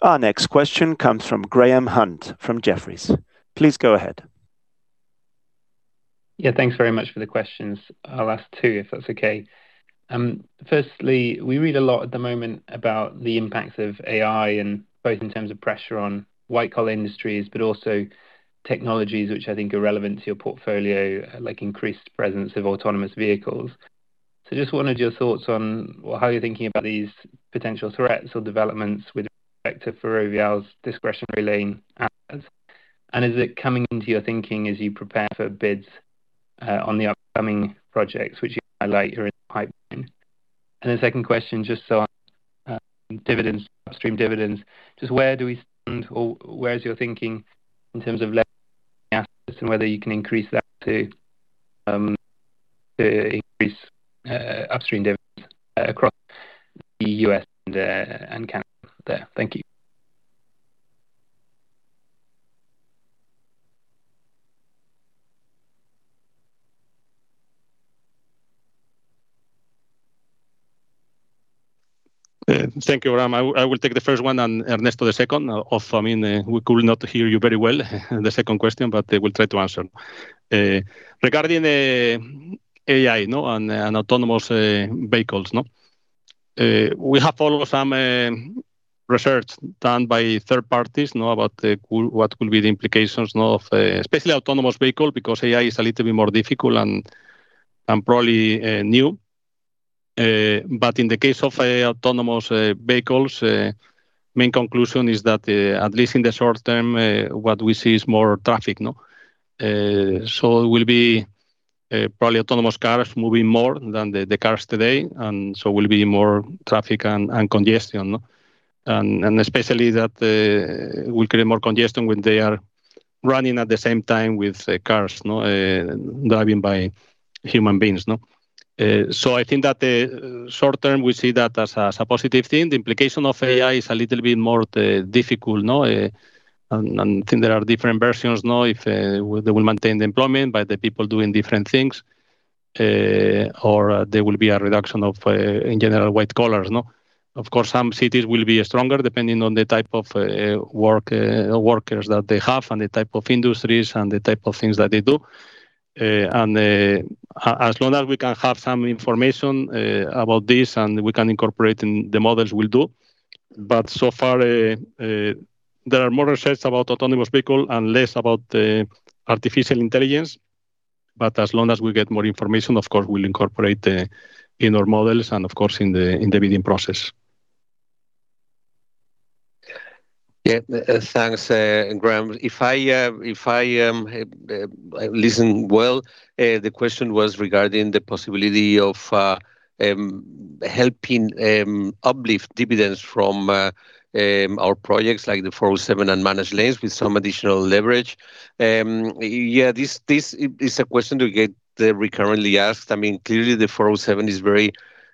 Our next question comes from Graham Hunt from Jefferies. Please go ahead. Yeah, thanks very much for the questions. I'll ask two, if that's okay. Firstly, we read a lot at the moment about the impacts of AI and both in terms of pressure on white-collar industries, but also technologies which I think are relevant to your portfolio, like increased presence of autonomous vehicles. Just wondered your thoughts on, well, how you're thinking about these potential threats or developments with respect to Ferrovial's discretionary lane plans? Is it coming into your thinking as you prepare for bids on the upcoming projects, which you highlight are in the pipeline? The second question, just so on dividends, upstream dividends, just where do we stand or where is your thinking in terms of assets, and whether you can increase that to increase upstream dividends across the U.S. and Canada there? Thank you. Thank you, Graham. I will take the first one, Ernesto, the second off. I mean, we could not hear you very well, the second question, but I will try to answer. Regarding AI, and autonomous vehicles, we have followed some research done by third parties, about what will be the implications of especially autonomous vehicle, because AI is a little bit more difficult and probably new. In the case of autonomous vehicles, main conclusion is that, at least in the short term, what we see is more traffic. It will be probably autonomous cars moving more than the cars today, and so will be more traffic and congestion. Especially that will create more congestion when they are running at the same time with the cars driving by human beings. I think that the short term, we see that as a positive thing. The implication of AI is a little bit more difficult? I think there are different versions, if they will maintain the employment, but the people doing different things, or there will be a reduction of in general, white collars? Of course, some cities will be stronger, depending on the type of work, workers that they have and the type of industries and the type of things that they do. As long as we can have some information about this, and we can incorporate in the models, we'll do. So far, there are more research about autonomous vehicle and less about artificial intelligence. As long as we get more information, of course, we'll incorporate in our models and of course, in the bidding process. Yeah, thanks, Graham. If I, if I listen well, the question was regarding the possibility of helping uplift dividends from our projects like the 407 and managed lanes with some additional leverage. Yeah, this is a question we get recurrently asked. I mean, clearly the 407 is very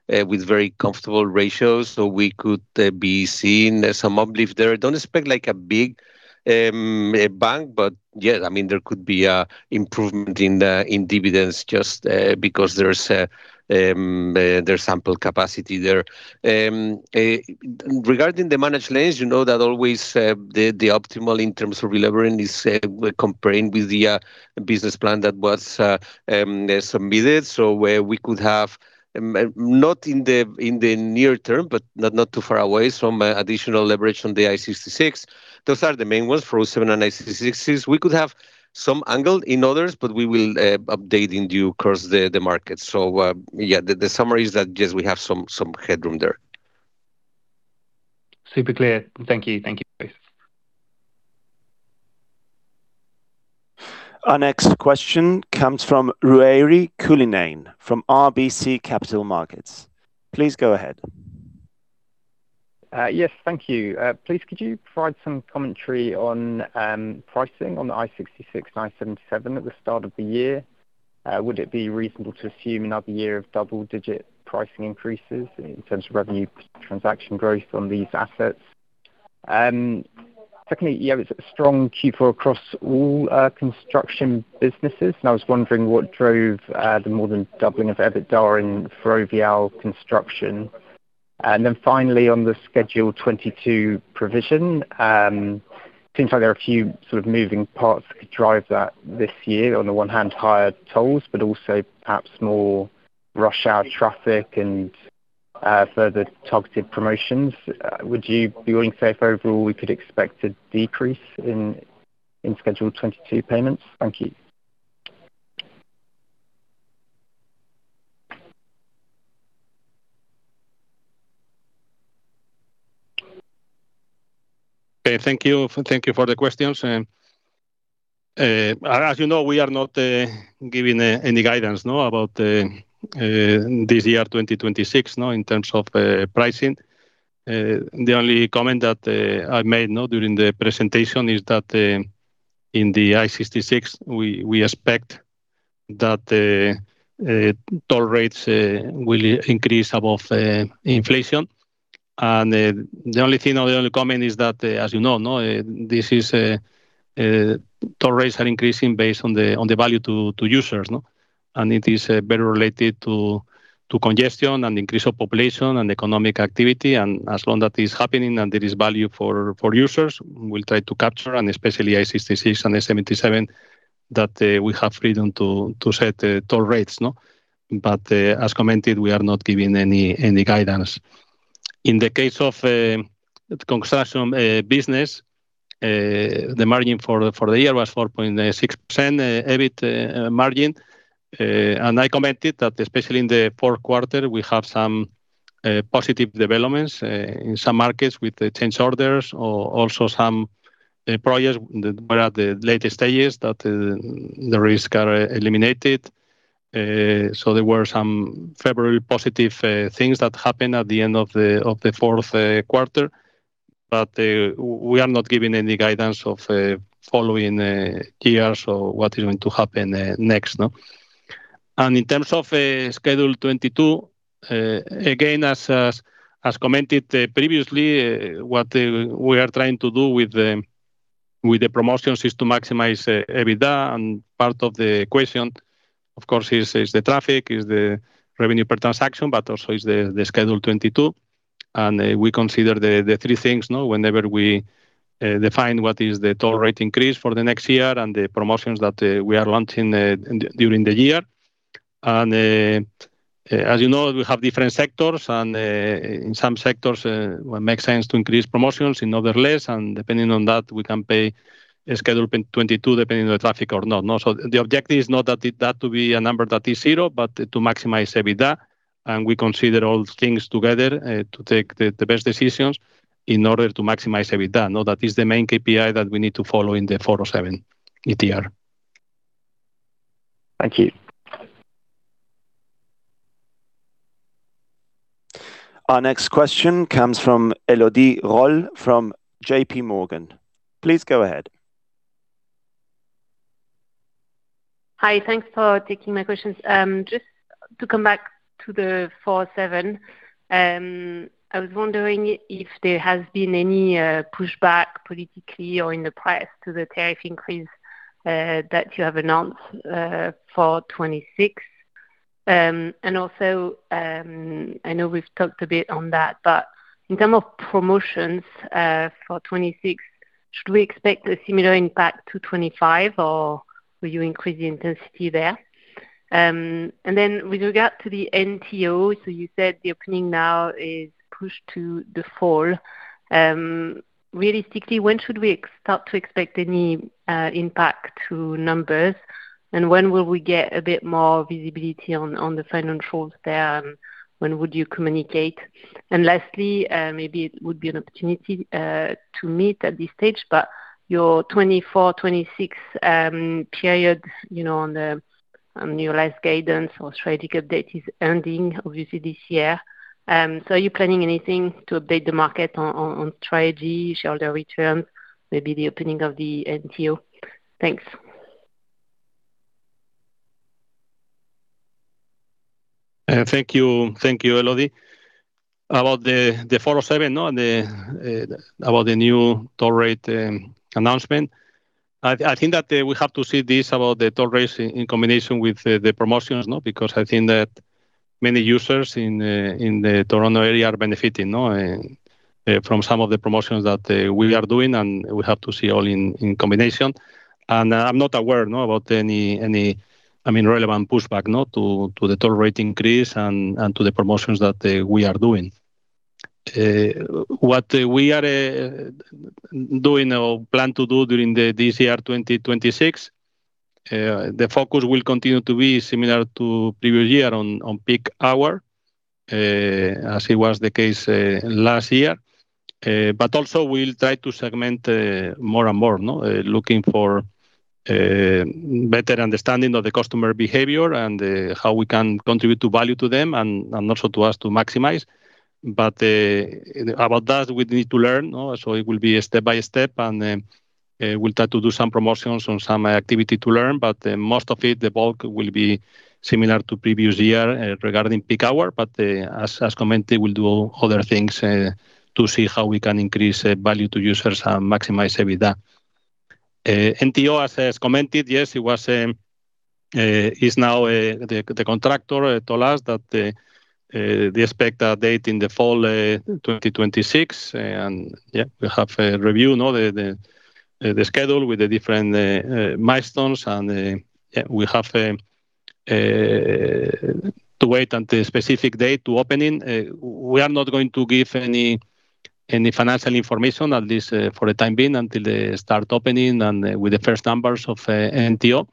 with very comfortable ratios, so we could be seeing some uplift there. Don't expect like a big bank, but yeah, I mean, there could be a improvement in the dividends just because there's a sample capacity there. Regarding the managed lanes, you know, that always the optimal in terms of relevering is comparing with the business plan that was submitted. Where we could have, not in the near term, but not too far away from additional leverage on the I-66. Those are the main ones, 407 and I-66. We could have some angle in others, but we will update in due course the market. Yeah, the summary is that, yes, we have some headroom there. Super clear. Thank you. Thank you. Our next question comes from Ruairi Cullinane, from RBC Capital Markets. Please go ahead. Yes, thank you. Please, could you provide some commentary on pricing on the I-66 and I-77 at the start of the year? Would it be reasonable to assume another year of double-digit pricing increases in terms of revenue transaction growth on these assets? Secondly, you have a strong Q4 across all construction businesses, and I was wondering what drove the more than doubling of EBITDA in Ferrovial Construction. Finally, on the Schedule 22 provision, seems like there are a few sort of moving parts that could drive that this year. On the one hand, higher tolls, but also perhaps more rush hour traffic and further targeted promotions. Would you be willing to say for overall, we could expect a decrease in Schedule 22 payments? Thank you. Okay. Thank you. Thank you for the questions. As you know, we are not giving any guidance, no, about this year, 2026, no, in terms of pricing. The only comment that I made, no, during the presentation is that in the I-66, we expect that the toll rates will increase above inflation. The only thing or the only comment is that, as you know, no, this is a toll rates are increasing based on the value to users, no. It is better related to congestion and increase of population and economic activity, and as long that is happening and there is value for users, we'll try to capture, and especially I-66 and I-77, that we have freedom to set the toll rates, no. As commented, we are not giving any guidance. In the case of construction business, the margin for the year was 4.6% EBIT margin. I commented that especially in the fourth quarter, we have some positive developments in some markets with the change orders or also some projects that were at the latest stages that the risk are eliminated. There were some February positive things that happened at the end of the fourth quarter, but we are not giving any guidance of following years or what is going to happen next, no? In terms of Schedule 22, again, as commented previously, what we are trying to do with the promotions is to maximize EBITDA, and part of the question, of course, is the traffic, is the revenue per transaction, but also is the Schedule 22. We consider the three things, no, whenever we define what is the toll rate increase for the next year and the promotions that we are launching during the year. As you know, we have different sectors, and in some sectors, it makes sense to increase promotions, in other, less, and depending on that, we can pay a Schedule 22, depending on the traffic or not, no. The objective is not that to be a number that is zero, but to maximize EBITDA. We consider all things together, to take the best decisions in order to maximize EBITDA. That is the main KPI that we need to follow in the 407 ETR. Thank you. Our next question comes from Elodie Rall from JPMorgan. Please go ahead. Hi, thanks for taking my questions. Just to come back to the 407, I was wondering if there has been any pushback politically or in the press to the tariff increase, that you have announced, for 2026? Also, I know we've talked a bit on that, but in term of promotions, for 2026, should we expect a similar impact to 2025, or will you increase the intensity there? With regard to the NTO, you said the opening now is pushed to the fall. Realistically, when should we start to expect any impact to numbers? When will we get a bit more visibility on the financials there, and when would you communicate? Lastly, maybe it would be an opportunity to meet at this stage, but your 2024, 2026 period, you know, on the annualized guidance or strategic update is ending obviously this year. Are you planning anything to update the market on strategy, shareholder return, maybe the opening of the NTO? Thanks. Thank you, Elodie. About the four oh seven, and about the new toll rate announcement, I think that we have to see this about the toll rates in combination with the promotions. Because I think that many users in the Toronto area are benefiting from some of the promotions that we are doing, and we have to see all in combination. I'm not aware about any, I mean, relevant pushback to the toll rate increase and to the promotions that we are doing. What we are doing or plan to do this year, 2026, the focus will continue to be similar to previous year on peak hour, as it was the case last year. Also we'll try to segment more and more, no? Looking for better understanding of the customer behavior and how we can contribute to value to them and also to us to maximize. About that, we need to learn, no? It will be step by step, and we'll try to do some promotions on some activity to learn, most of it, the bulk will be similar to previous year regarding peak hour. As commented, we'll do other things to see how we can increase value to users and maximize EBITDA. NTO, as commented, yes, it was, is now. The contractor told us that they expect a date in the fall, 2026, and, yeah, we have a review, no, the schedule with the different milestones, and, yeah, we have to wait until specific date to opening. We are not going to give any financial information, at least, for the time being, until they start opening and with the first numbers of NTO.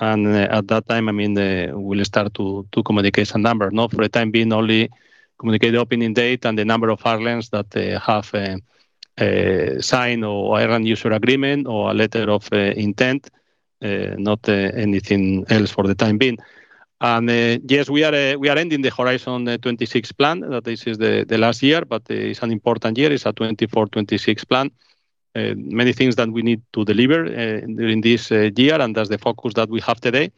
At that time, I mean, we'll start to communicate a number, no? For the time being, only communicate opening date and the number of hyperscalers that have signed or anchor user agreement or a letter of intent, not anything else for the time being. Yes, we are, we are ending the Horizon 26 plan, that this is the last year. It's an important year. It's a 2024-2026 plan, many things that we need to deliver during this year, that's the focus that we have today.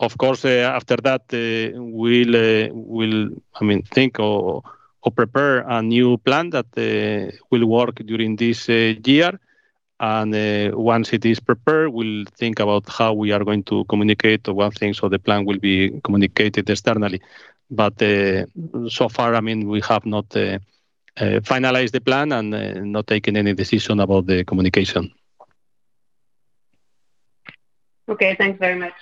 After that, we'll, I mean, think or prepare a new plan that will work during this year. Once it is prepared, we'll think about how we are going to communicate or what things so the plan will be communicated externally. So far, I mean, we have not finalized the plan and not taken any decision about the communication. Okay, thanks very much.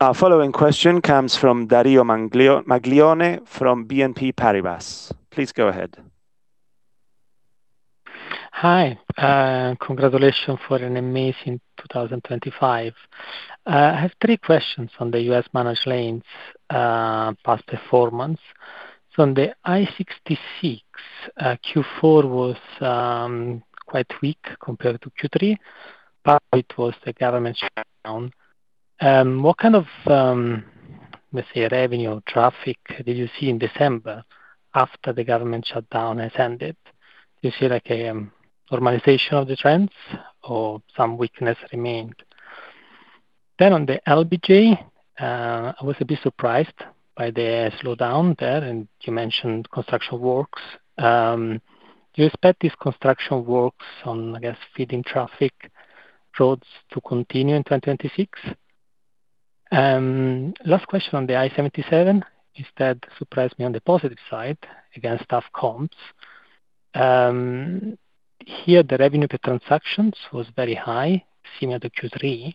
Our following question comes from Dario Maglione from BNP Paribas. Please go ahead. Hi, congratulations for an amazing 2025. I have three questions on the U.S., managed lanes past performance. On the I-66, Q4 was quite weak compared to Q3, but it was the government shutdown. What kind of, let's say, revenue traffic did you see in December after the government shutdown has ended? Did you see, like, a normalization of the trends or some weakness remained? On the LBJ, I was a bit surprised by the slowdown there, and you mentioned construction works. Do you expect these construction works on, I guess, feeding traffic roads to continue in 2026? Last question on the I-77, instead surprised me on the positive side against tough comps. Here, the revenue per transactions was very high, similar to Q3,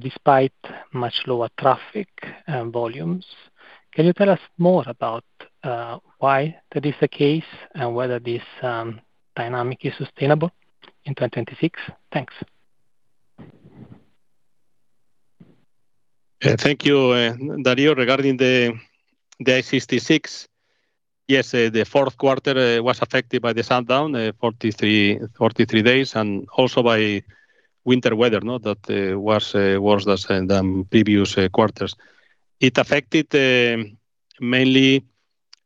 despite much lower traffic volumes. Can you tell us more about why that is the case and whether this dynamic is sustainable in 2026? Thanks. Thank you, Dario. Regarding the I-66, yes, the fourth quarter was affected by the shutdown, 43 days, and also by winter weather, no? That was worse than previous quarters. It affected mainly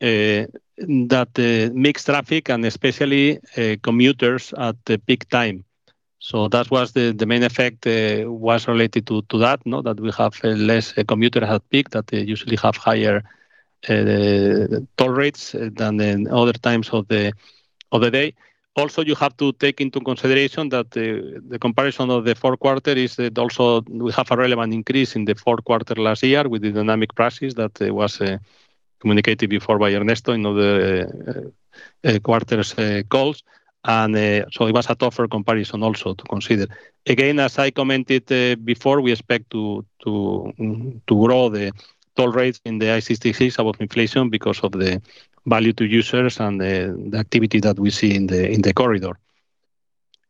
that mixed traffic and especially commuters at the peak time. That was the main effect was related to that, no, that we have less commuter at peak, that they usually have higher toll rates than in other times of the day. Also, you have to take into consideration that the comparison of the fourth quarter is that also we have a relevant increase in the fourth quarter last year with the dynamic prices that was communicated before by Ernesto in all the quarters calls. It was a tougher comparison also to consider. Again, as I commented before, we expect to grow the toll rates in the I-66 above inflation because of the value to users and the activity that we see in the corridor.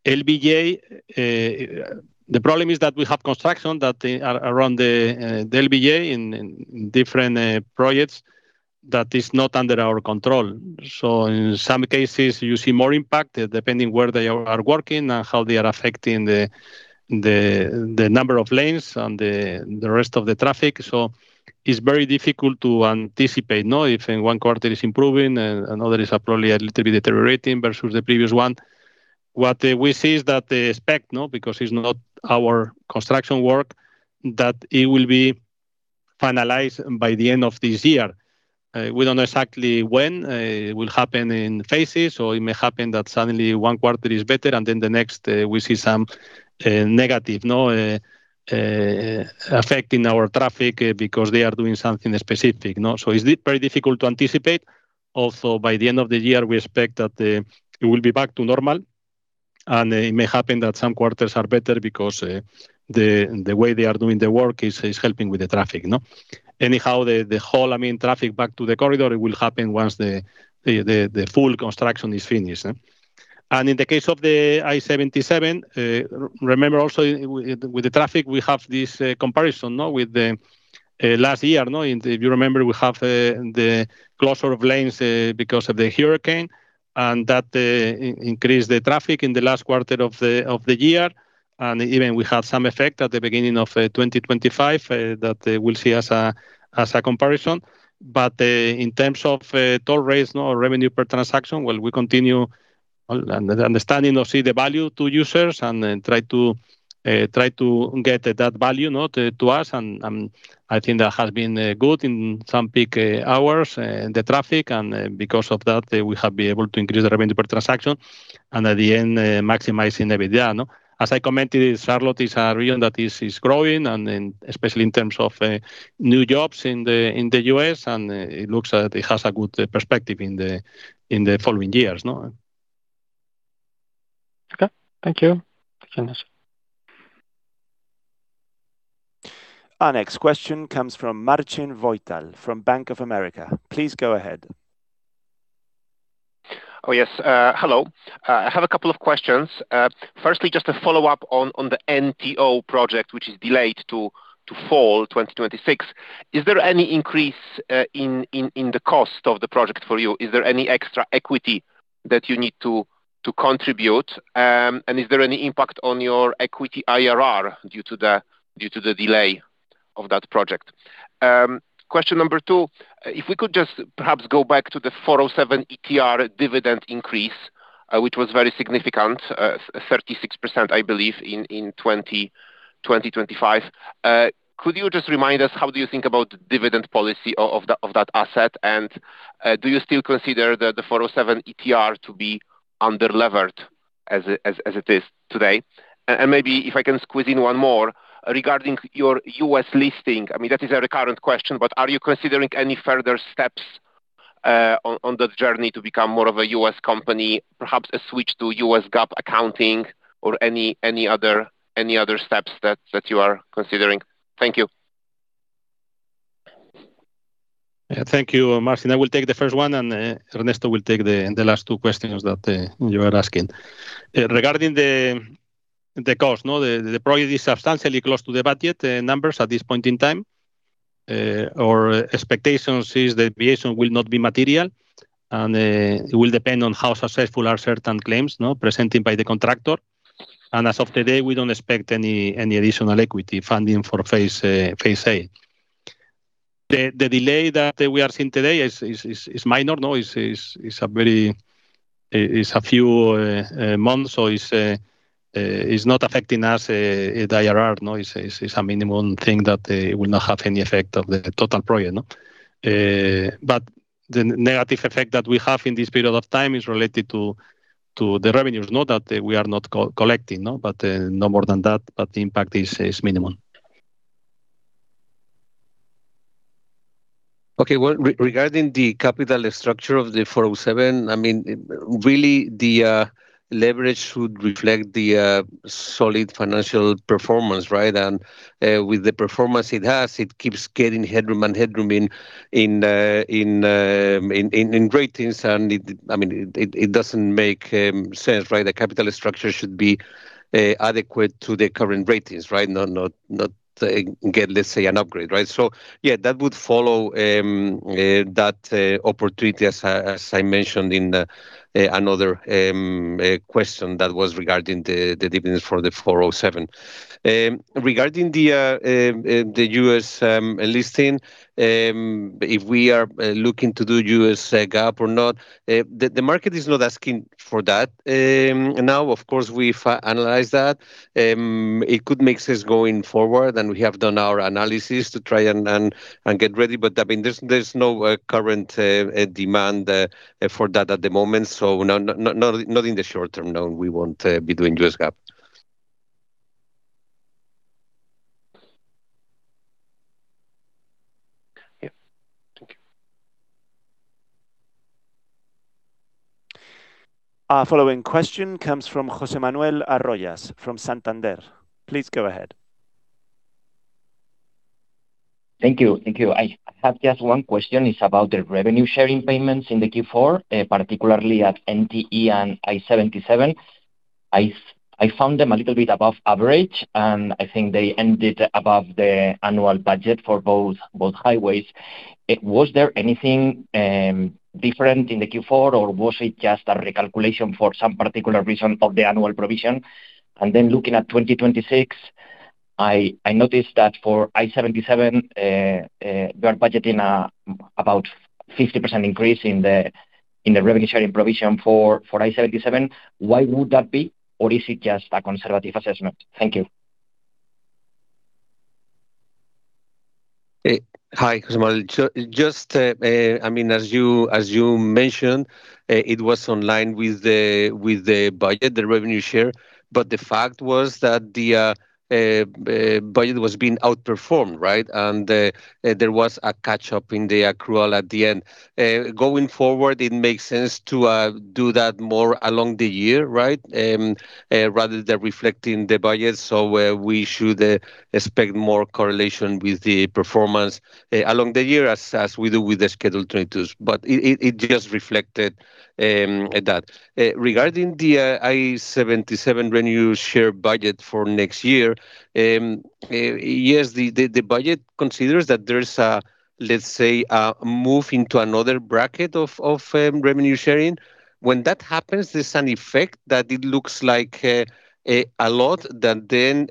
LBJ, the problem is that we have construction that around the LBJ in different projects that is not under our control. In some cases, you see more impact, depending where they are working and how they are affecting the number of lanes and the rest of the traffic. It's very difficult to anticipate, no, if in one quarter is improving and another is probably a little bit deteriorating versus the previous one. What we see is that they expect, no, because it's not our construction work, that it will be finalized by the end of this year. We don't know exactly when it will happen in phases, or it may happen that suddenly one quarter is better, and then the next, we see some negative, no, affecting our traffic, because they are doing something specific, no? It's very difficult to anticipate. Also, by the end of the year, we expect that it will be back to normal, and it may happen that some quarters are better because the way they are doing the work is helping with the traffic, no? Anyhow, the whole, I mean, traffic back to the corridor, it will happen once the full construction is finished, eh? In the case of the I-77, remember also with the traffic, we have this comparison with the last year. If you remember, we have the closure of lanes because of the hurricane, and that increased the traffic in the last quarter of the year. Even we have some effect at the beginning of 2025 that they will see as a comparison. In terms of toll rates, revenue per transaction, well, we continue on understanding or see the value to users and then try to try to get that value to us. I think that has been good in some peak hours in the traffic, and because of that, we have been able to increase the revenue per transaction and at the end, maximizing the video, no. As I commented, Charlotte is a region that is growing and especially in terms of new jobs in the U.S., and it looks like it has a good perspective in the following years, no. Okay. Thank you. Thank you. Our next question comes from Marcin Wojtal from Bank of America. Please go ahead. Yes. Hello. I have a couple of questions. Firstly, just a follow-up on the NTO project, which is delayed to fall 2026. Is there any increase in the cost of the project for you? Is there any extra equity that you need to contribute? Is there any impact on your equity IRR due to the delay of that project? Question number two, if we could just perhaps go back to the 407 ETR dividend increase, which was very significant, 36%, I believe, in 2025. Could you just remind us, how do you think about dividend policy of that asset? Do you still consider the 407 ETR to be under-levered as it is today? Maybe if I can squeeze in one more regarding your U.S. listing. I mean, that is a recurrent question, but are you considering any further steps on the journey to become more of a U.S. company, perhaps a switch to US GAAP accounting or any other steps that you are considering? Thank you. Thank you, Marcin. I will take the first one, and Ernesto López Mozo will take the last two questions that you are asking. Regarding the cost, no, the project is substantially close to the budget numbers at this point in time. Our expectations is the deviation will not be material, and it will depend on how successful are certain claims, no, presented by the contractor. As of today, we don't expect any additional equity funding for phase A. The delay that we are seeing today is minor, no? It is a few months, it's not affecting us the IRR, no. It's a minimum thing that will not have any effect on the total project, no? The negative effect that we have in this period of time is related to the revenues, not that we are not collecting, no. No more than that, the impact is minimum. Okay, well, regarding the capital structure of the 407, I mean, really, the leverage should reflect the solid financial performance, right? With the performance it has, it keeps getting headroom in ratings. I mean, it doesn't make sense, right? The capital structure should be adequate to the current ratings, right? Not get, let's say, an upgrade, right? Yeah, that would follow that opportunity as I mentioned in another question that was regarding the dividends for the 407. Regarding the US listing, if we are looking to do U.S., GAAP or not, the market is not asking for that now. Of course, we've analyzed that, it could make sense going forward. We have done our analysis to try and get ready. I mean, there's no current demand for that at the moment. No, not in the short term, no, we won't be doing U.S., GAAP. Yep. Thank you. Our following question comes from Jose Manuel Arroyo from Santander. Please go ahead. Thank you. Thank you. I have just one question, it's about the revenue sharing payments in the Q4, particularly at NTE and I-77. I found them a little bit above average, I think they ended above the annual budget for both highways. Was there anything different in the Q4, or was it just a recalculation for some particular reason of the annual provision? Looking at 2026, I noticed that for I-77, you are budgeting about 50% increase in the revenue sharing provision for I-77. Why would that be? Or is it just a conservative assessment? Thank you. Hey. Hi, Jose Manuel. Just, I mean, as you, as you mentioned, it was online with the budget, the revenue share. The fact was that the budget was being outperformed, right? There was a catch-up in the accrual at the end. Going forward, it makes sense to do that more along the year, right? Rather than reflecting the budget. We should expect more correlation with the performance along the year as we do with the Schedule 22s. It just reflected that. Regarding the I-77 revenue share budget for next year, yes, the budget considers that there's a, let's say, a move into another bracket of revenue sharing. When that happens, there's an effect that it looks like a lot that then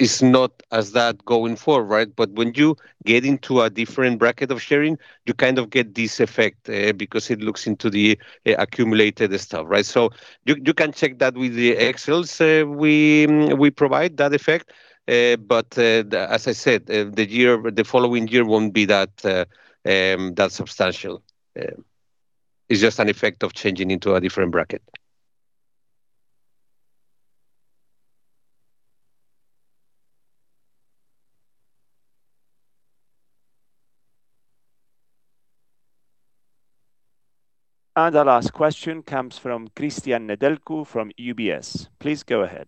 is not as that going forward, right? When you get into a different bracket of sharing, you kind of get this effect, because it looks into the accumulated stuff, right? You can check that with the Excels, we provide that effect. As I said, the following year won't be that substantial. It's just an effect of changing into a different bracket. Our last question comes from Cristian Nedelcu from UBS. Please go ahead.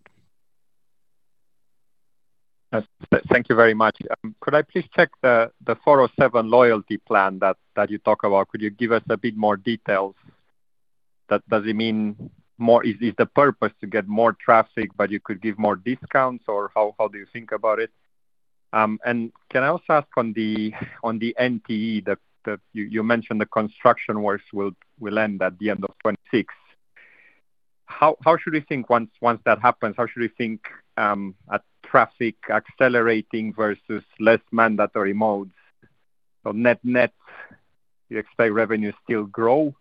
Thank you very much. Could I please check the 407 loyalty plan that you talk about? Could you give us a bit more details? Does it mean more? Is the purpose to get more traffic, but you could give more discounts, or how do you think about it? Can I also ask on the NTE that you mentioned the construction works will end at the end of 2026. How should we think once that happens, how should we think at traffic accelerating versus less mandatory modes? Net, net, you expect revenue to still grow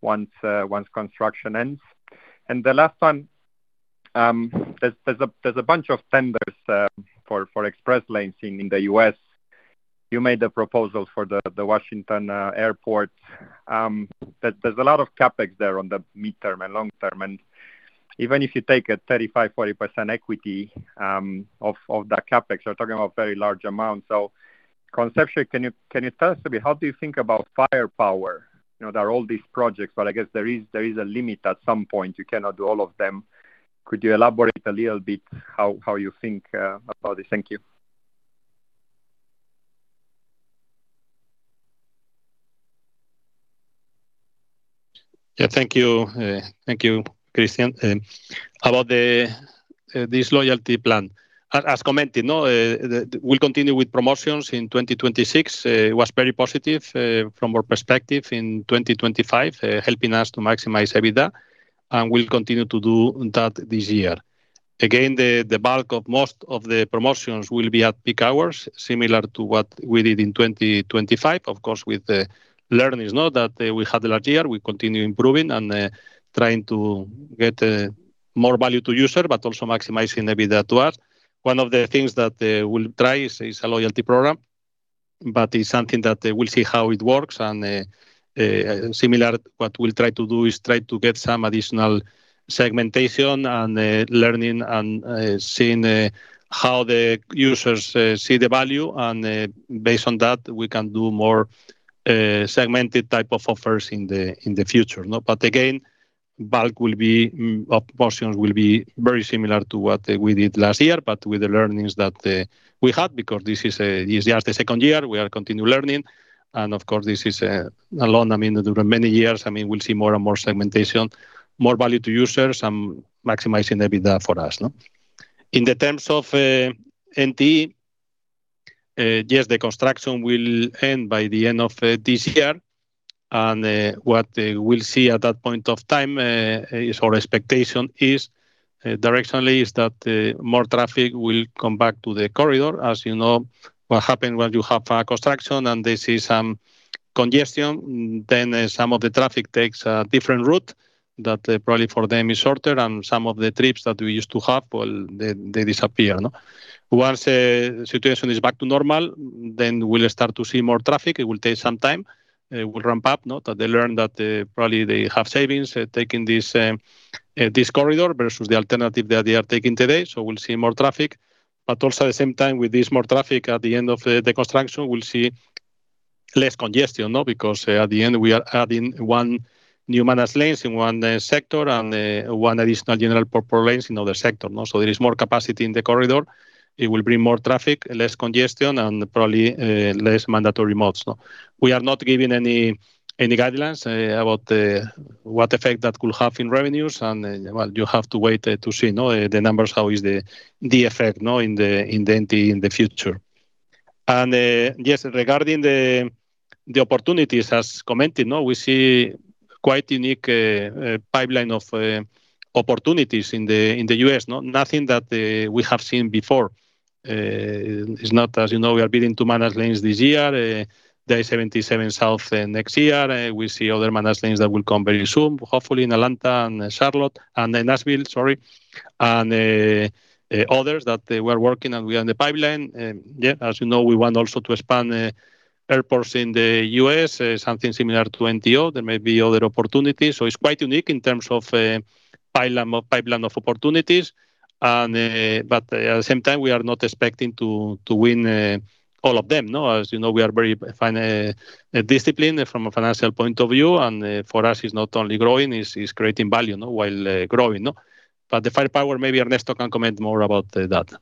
once construction ends? The last one, there's a bunch of tenders for express laning in the U.S. You made a proposal for the Washington airport. There's a lot of CapEx there on the midterm and long term, and even if you take a 35%-40% equity of that CapEx, you're talking about very large amounts. Conceptually, can you tell us a bit, how do you think about firepower? You know, there are all these projects, but I guess there is a limit at some point, you cannot do all of them. Could you elaborate a little bit how you think about this? Thank you. Thank you. Thank you, Cristian. About this loyalty plan, as commented, no, we'll continue with promotions in 2026. It was very positive from our perspective in 2025, helping us to maximize EBITDA, and we'll continue to do that this year. Again, the bulk of most of the promotions will be at peak hours, similar to what we did in 2025. Of course, with the learnings, know that we had a large year, we continue improving and trying to get more value to user, but also maximizing the EBITDA to us. One of the things that we'll try is a loyalty program, but it's something that we'll see how it works, and similar, what we'll try to do is try to get some additional segmentation and learning and seeing how the users see the value, and based on that, we can do more segmented type of offers in the future, no? Again, bulk will be portions will be very similar to what we did last year, but with the learnings that we had, because this is just the second year, we are continue learning. Of course, this is a long, I mean, during many years, I mean, we'll see more and more segmentation, more value to users, and maximizing EBITDA for us, no? In the terms of NTE, yes, the construction will end by the end of this year, and what we'll see at that point of time is our expectation is, directionally, is that more traffic will come back to the corridor. As you know, what happen when you have a construction and there is some congestion, then some of the traffic takes a different route that probably for them is shorter, and some of the trips that we used to have, well, they disappear, no? Once the situation is back to normal, then we'll start to see more traffic. It will take some time will ramp up, no? That they learn that probably they have savings taking this corridor versus the alternative that they are taking today. We'll see more traffic, but also at the same time, with this more traffic at the end of the construction, we'll see less congestion, no? At the end we are adding one new managed lanes in one sector and one additional general purpose lanes in other sector, no? There is more capacity in the corridor. It will bring more traffic, less congestion, and probably less mandatory modes, no. We are not giving any guidelines about what effect that could have in revenues, and well, you have to wait to see, no, the numbers, how is the effect, no, in the future. Yes, regarding the opportunities, as commented, no, we see quite unique pipeline of opportunities in the U.S., no? Nothing that we have seen before. It's not, as you know, we are building two managed lanes this year, the 77 South, next year. We see other managed lanes that will come very soon, hopefully in Atlanta and Charlotte and then Nashville, sorry, and others that they were working on and were in the pipeline. Yeah, as you know, we want also to expand airports in the U.S., something similar to NTO. There may be other opportunities, so it's quite unique in terms of pipeline of opportunities. At the same time, we are not expecting to win all of them, no. As you know, we are very fine discipline from a financial point of view. For us is not only growing, it's creating value, no, while growing, no. The firepower, maybe Ernesto can comment more about that.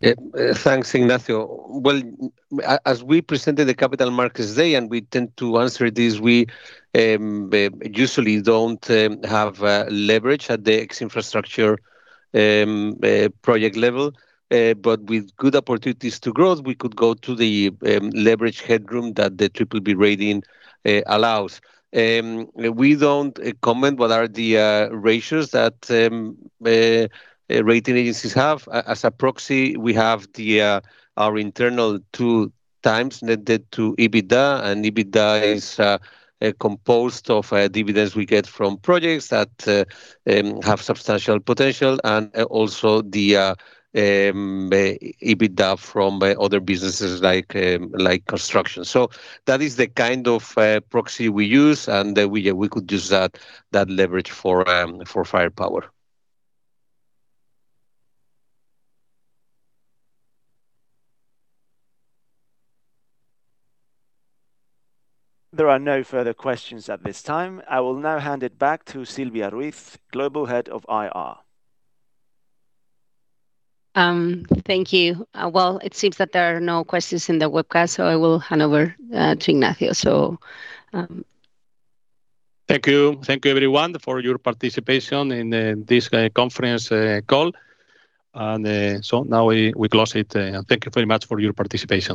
Yeah. Thanks, Ignacio. As we presented the Capital Markets Day, and we tend to answer this, we usually don't have leverage at the ex-infrastructure project level. With good opportunities to growth, we could go to the leverage headroom that the BBB rating allows. We don't comment what are the ratios that rating agencies have. As a proxy, we have our internal 2x net debt to EBITDA, and EBITDA is composed of dividends we get from projects that have substantial potential and also the EBITDA from other businesses like construction. That is the kind of proxy we use, and then we could use that leverage for firepower. There are no further questions at this time. I will now hand it back to Silvia Ruiz, Global Head of IR. Thank you. Well, it seems that there are no questions in the webcast, I will hand over to Ignacio. Thank you, everyone, for your participation in this conference call. Now we close it. Thank you very much for your participation.